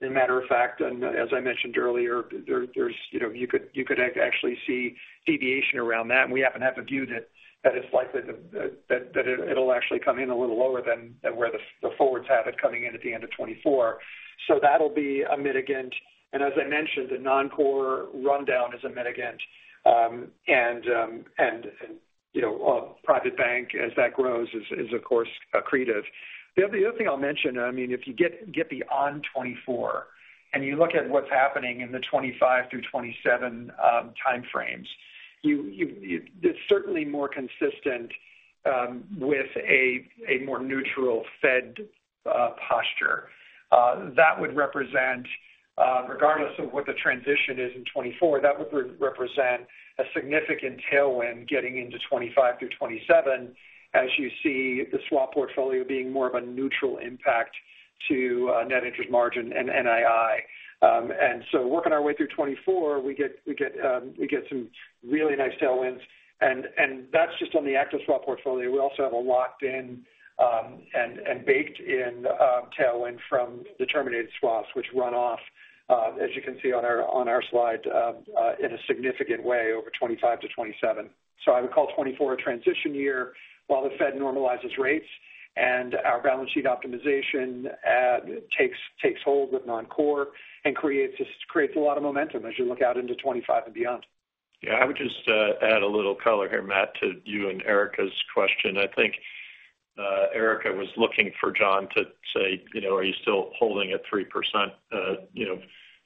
As a matter of fact, and as I mentioned earlier, there's, you know, you could actually see deviation around that, and we happen to have a view that it's likely that it'll actually come in a little lower than where the forwards have it coming in at the end of 2024. So that'll be a mitigant. And as I mentioned, the non-core rundown is a mitigant. And you know, Private Bank as that grows is, of course, accretive. The other thing I'll mention, I mean, if you get beyond 2024 and you look at what's happening in the 2025 through 2027 time frames, it's certainly more consistent with a more neutral Fed posture. That would represent, regardless of what the transition is in 2024, that would represent a significant tailwind getting into 2025 through 2027, as you see the swap portfolio being more of a neutral impact to net interest margin and NII. And so working our way through 2024, we get some really nice tailwinds, and that's just on the active swap portfolio. We also have a locked-in and baked-in tailwind from the terminated swaps, which run off, as you can see on our slide, in a significant way over 2025 to 2027. So I would call 2024 a transition year while the Fed normalizes rates and our balance sheet optimization takes hold with non-core and creates a lot of momentum as you look out into 2025 and beyond. Yeah, I would just add a little color here, Matt, to you and Erika's question. I think Erika was looking for John to say, you know, are you still holding at 3%, you know,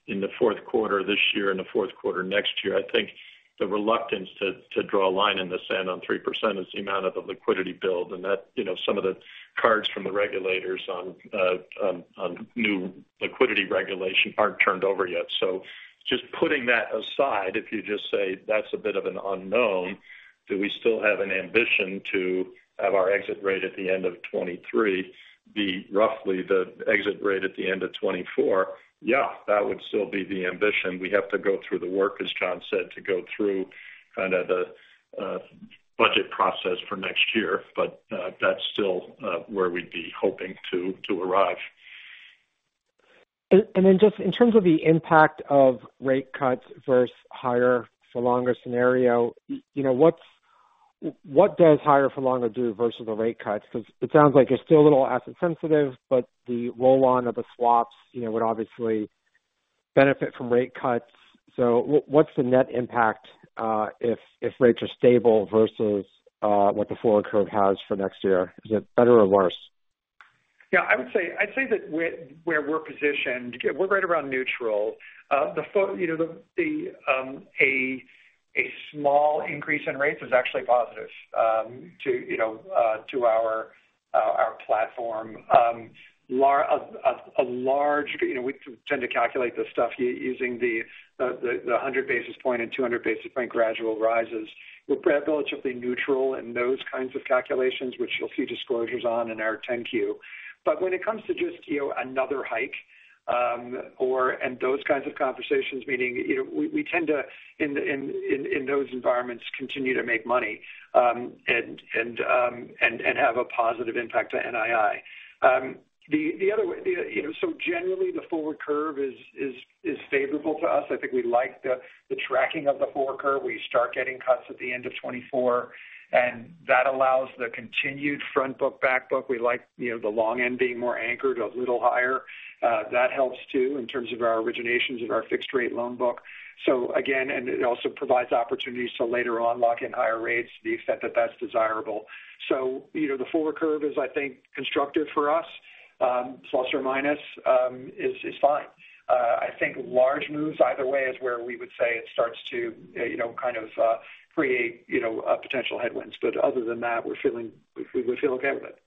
in the fourth quarter this year and the fourth quarter next year? I think the reluctance to draw a line in the sand on 3% is the amount of the liquidity build and that, you know, some of the cards from the regulators on, on new liquidity regulation aren't turned over yet. So just putting that aside, if you just say that's a bit of an unknown, do we still have an ambition to have our exit rate at the end of 2023 be roughly the exit rate at the end of 2024? Yeah, that would still be the ambition. We have to go through the work, as John said, to go through kind of the budget process for next year, but that's still where we'd be hoping to arrive. Then just in terms of the impact of rate cuts versus higher for longer scenario, you know, what does higher for longer do versus the rate cuts? Because it sounds like you're still a little asset sensitive, but the roll-on of the swaps, you know, would obviously benefit from rate cuts. So what's the net impact, if rates are stable versus what the forward curve has for next year? Is it better or worse? Yeah, I'd say that where we're positioned, we're right around neutral. You know, a small increase in rates is actually positive to, you know, our platform. A large, you know, we tend to calculate this stuff using the 100 basis points and 200 basis points gradual rises. We're relatively neutral in those kinds of calculations, which you'll see disclosures on in our 10-Q. But when it comes to just, you know, another hike and those kinds of conversations, meaning, you know, we tend to in those environments continue to make money and have a positive impact to NII. The other way, you know, so generally the forward curve is favorable to us. I think we like the tracking of the forward curve. We start getting cuts at the end of 2024, and that allows the continued front book, back book. We like, you know, the long end being more anchored, a little higher. That helps too, in terms of our originations and our fixed rate loan book. So again, it also provides opportunities to later on lock in higher rates to the extent that that's desirable. So, you know, the forward curve is, I think, constructive for us. Plus or minus is fine. I think large moves either way is where we would say it starts to, you know, create, you know, potential headwinds. But other than that, we're feeling, we feel okay with it.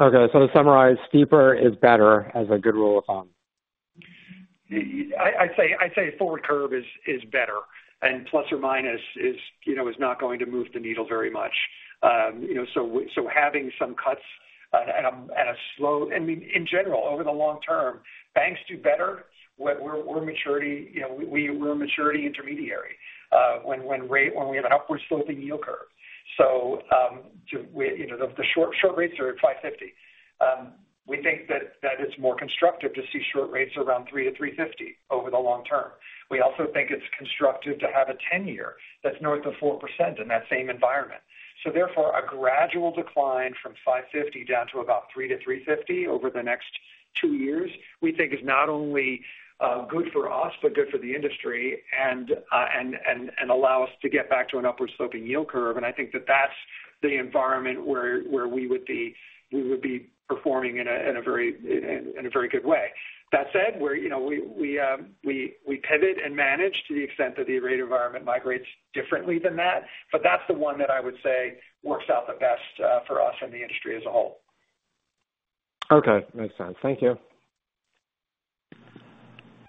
Okay, so to summarize, steeper is better as a good rule of thumb? I'd say forward curve is better, and ± is, you know, not going to move the needle very much. You know, so having some cuts. I mean, in general, over the long term, banks do better when we're a maturity intermediary, you know, when we have an upward sloping yield curve. So, you know, the short rates are at 5.50%. We think that it's more constructive to see short rates around 3%-3.50% over the long term. We also think it's constructive to have a 10-year that's north of 4% in that same environment. So therefore, a gradual decline from 5.50 down to about 3-3.50 over the next two years, we think is not only good for us, but good for the industry and allow us to get back to an upward sloping yield curve. And I think that's the environment where we would be performing in a very good way. That said, we're, you know, we pivot and manage to the extent that the rate environment migrates differently than that, but that's the one that I would say works out the best for us and the industry as a whole. Okay. Makes sense. Thank you.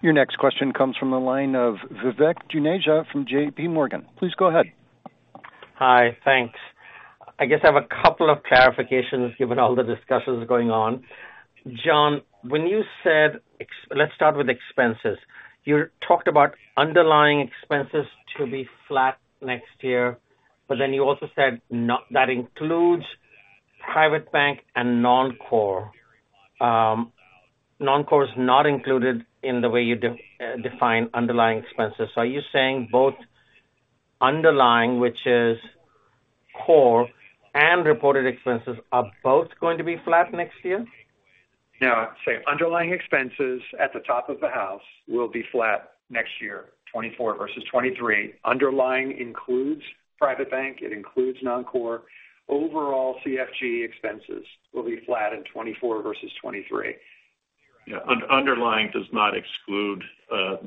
Your next question comes from the line of Vivek Juneja from JPMorgan. Please go ahead. Hi, thanks. I guess I have a couple of clarifications given all the discussions going on. John, when you said let's start with expenses. You talked about underlying expenses to be flat next year, but then you also said not that includes Private Bank and non-core. Non-core is not included in the way you define underlying expenses. So are you saying both underlying, which is core and reported expenses, are both going to be flat next year? Yeah, I'd say underlying expenses at the top of the house will be flat next year, 2024 versus 2023. Underlying includes Private Bank, it includes Non-Core. Overall, CFG expenses will be flat in 2024 versus 2023. Yeah, underlying does not exclude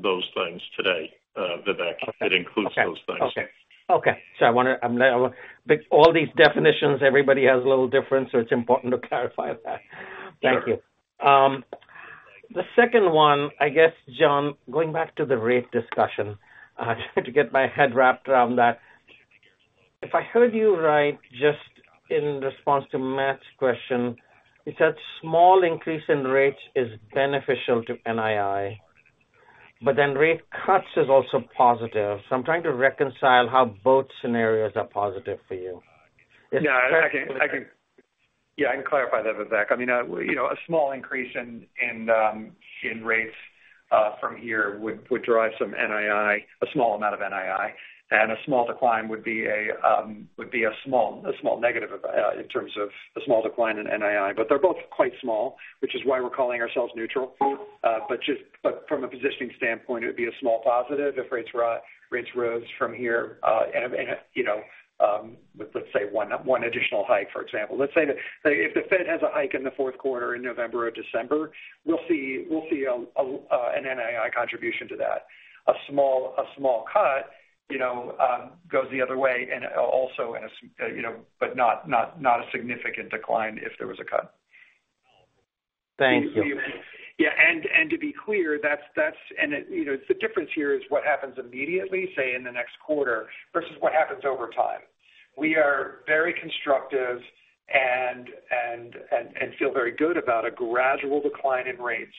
those things today, Vivek. Okay. It includes those things. Okay. Okay. So I wanna, I'm now, but all these definitions, everybody has a little different, so it's important to clarify that. Thank you. Sure. The second one, I guess, John, going back to the rate discussion, trying to get my head wrapped around that. If I heard you right, just in response to Matt's question, you said small increase in rates is beneficial to NII, but then rate cuts is also positive. So I'm trying to reconcile how both scenarios are positive for you? Yeah, I can clarify that, Vivek. I mean, you know, a small increase in rates from here would drive some NII, a small amount of NII, and a small decline would be a small negative in terms of a small decline in NII. But they're both quite small, which is why we're calling ourselves neutral. But from a positioning standpoint, it would be a small positive if rates rose from here, and, you know, let's say one additional hike, for example. Let's say that if the Fed has a hike in the fourth quarter in November or December, we'll see an NII contribution to that. A small cut, you know, goes the other way and also in a, you know, but not a significant decline if there was a cut. Thank you. Yeah, and to be clear, that's. And it, you know, the difference here is what happens immediately, say, in the next quarter, versus what happens over time. We are very constructive and feel very good about a gradual decline in rates,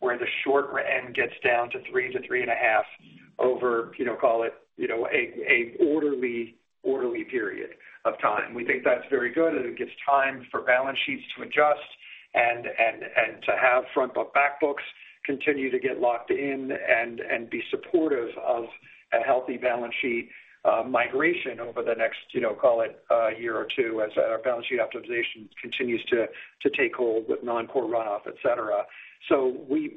where the short end gets down to 3-3.5 over, you know, call it, an orderly period of time. We think that's very good, and it gives time for balance sheets to adjust and to have front book, back books continue to get locked in and be supportive of a healthy balance sheet migration over the next, you know, call it, year or two as our balance sheet optimization continues to take hold with non-core runoff, et cetera. So we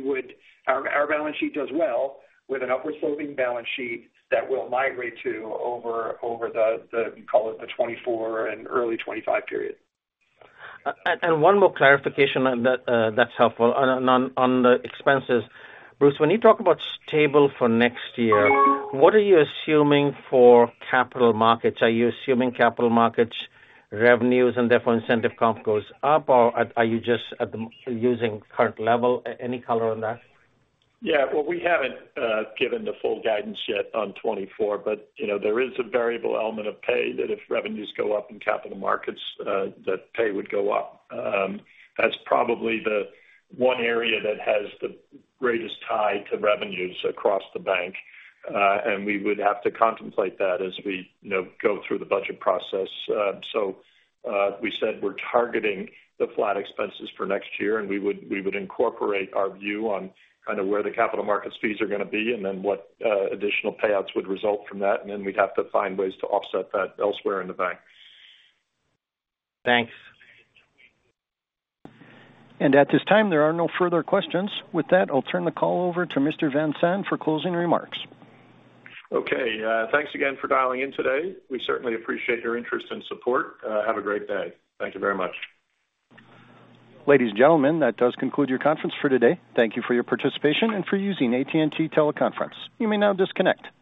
would—our balance sheet does well with an upward sloping balance sheet that will migrate over the, call it, the 2024 and early 2025 period. And one more clarification on that, that's helpful. On the expenses, Bruce, when you talk about stable for next year, what are you assuming for capital markets? Are you assuming capital markets revenues and therefore incentive comp goes up, or are you just using current level? Any color on that? Yeah. Well, we haven't given the full guidance yet on 2024, but, you know, there is a variable element of pay that if revenues go up in capital markets, that pay would go up. That's probably the one area that has the greatest tie to revenues across the bank, and we would have to contemplate that as we, you know, go through the budget process. So, we said we're targeting the flat expenses for next year, and we would, we would incorporate our view on kind of where the capital markets fees are gonna be, and then what, additional payouts would result from that, and then we'd have to find ways to offset that elsewhere in the bank. Thanks. At this time, there are no further questions. With that, I'll turn the call over to Mr. Van Saun for closing remarks. Okay. Thanks again for dialing in today. We certainly appreciate your interest and support. Have a great day. Thank you very much. Ladies and gentlemen, that does conclude your conference for today. Thank you for your participation and for using AT&T Teleconference. You may now disconnect.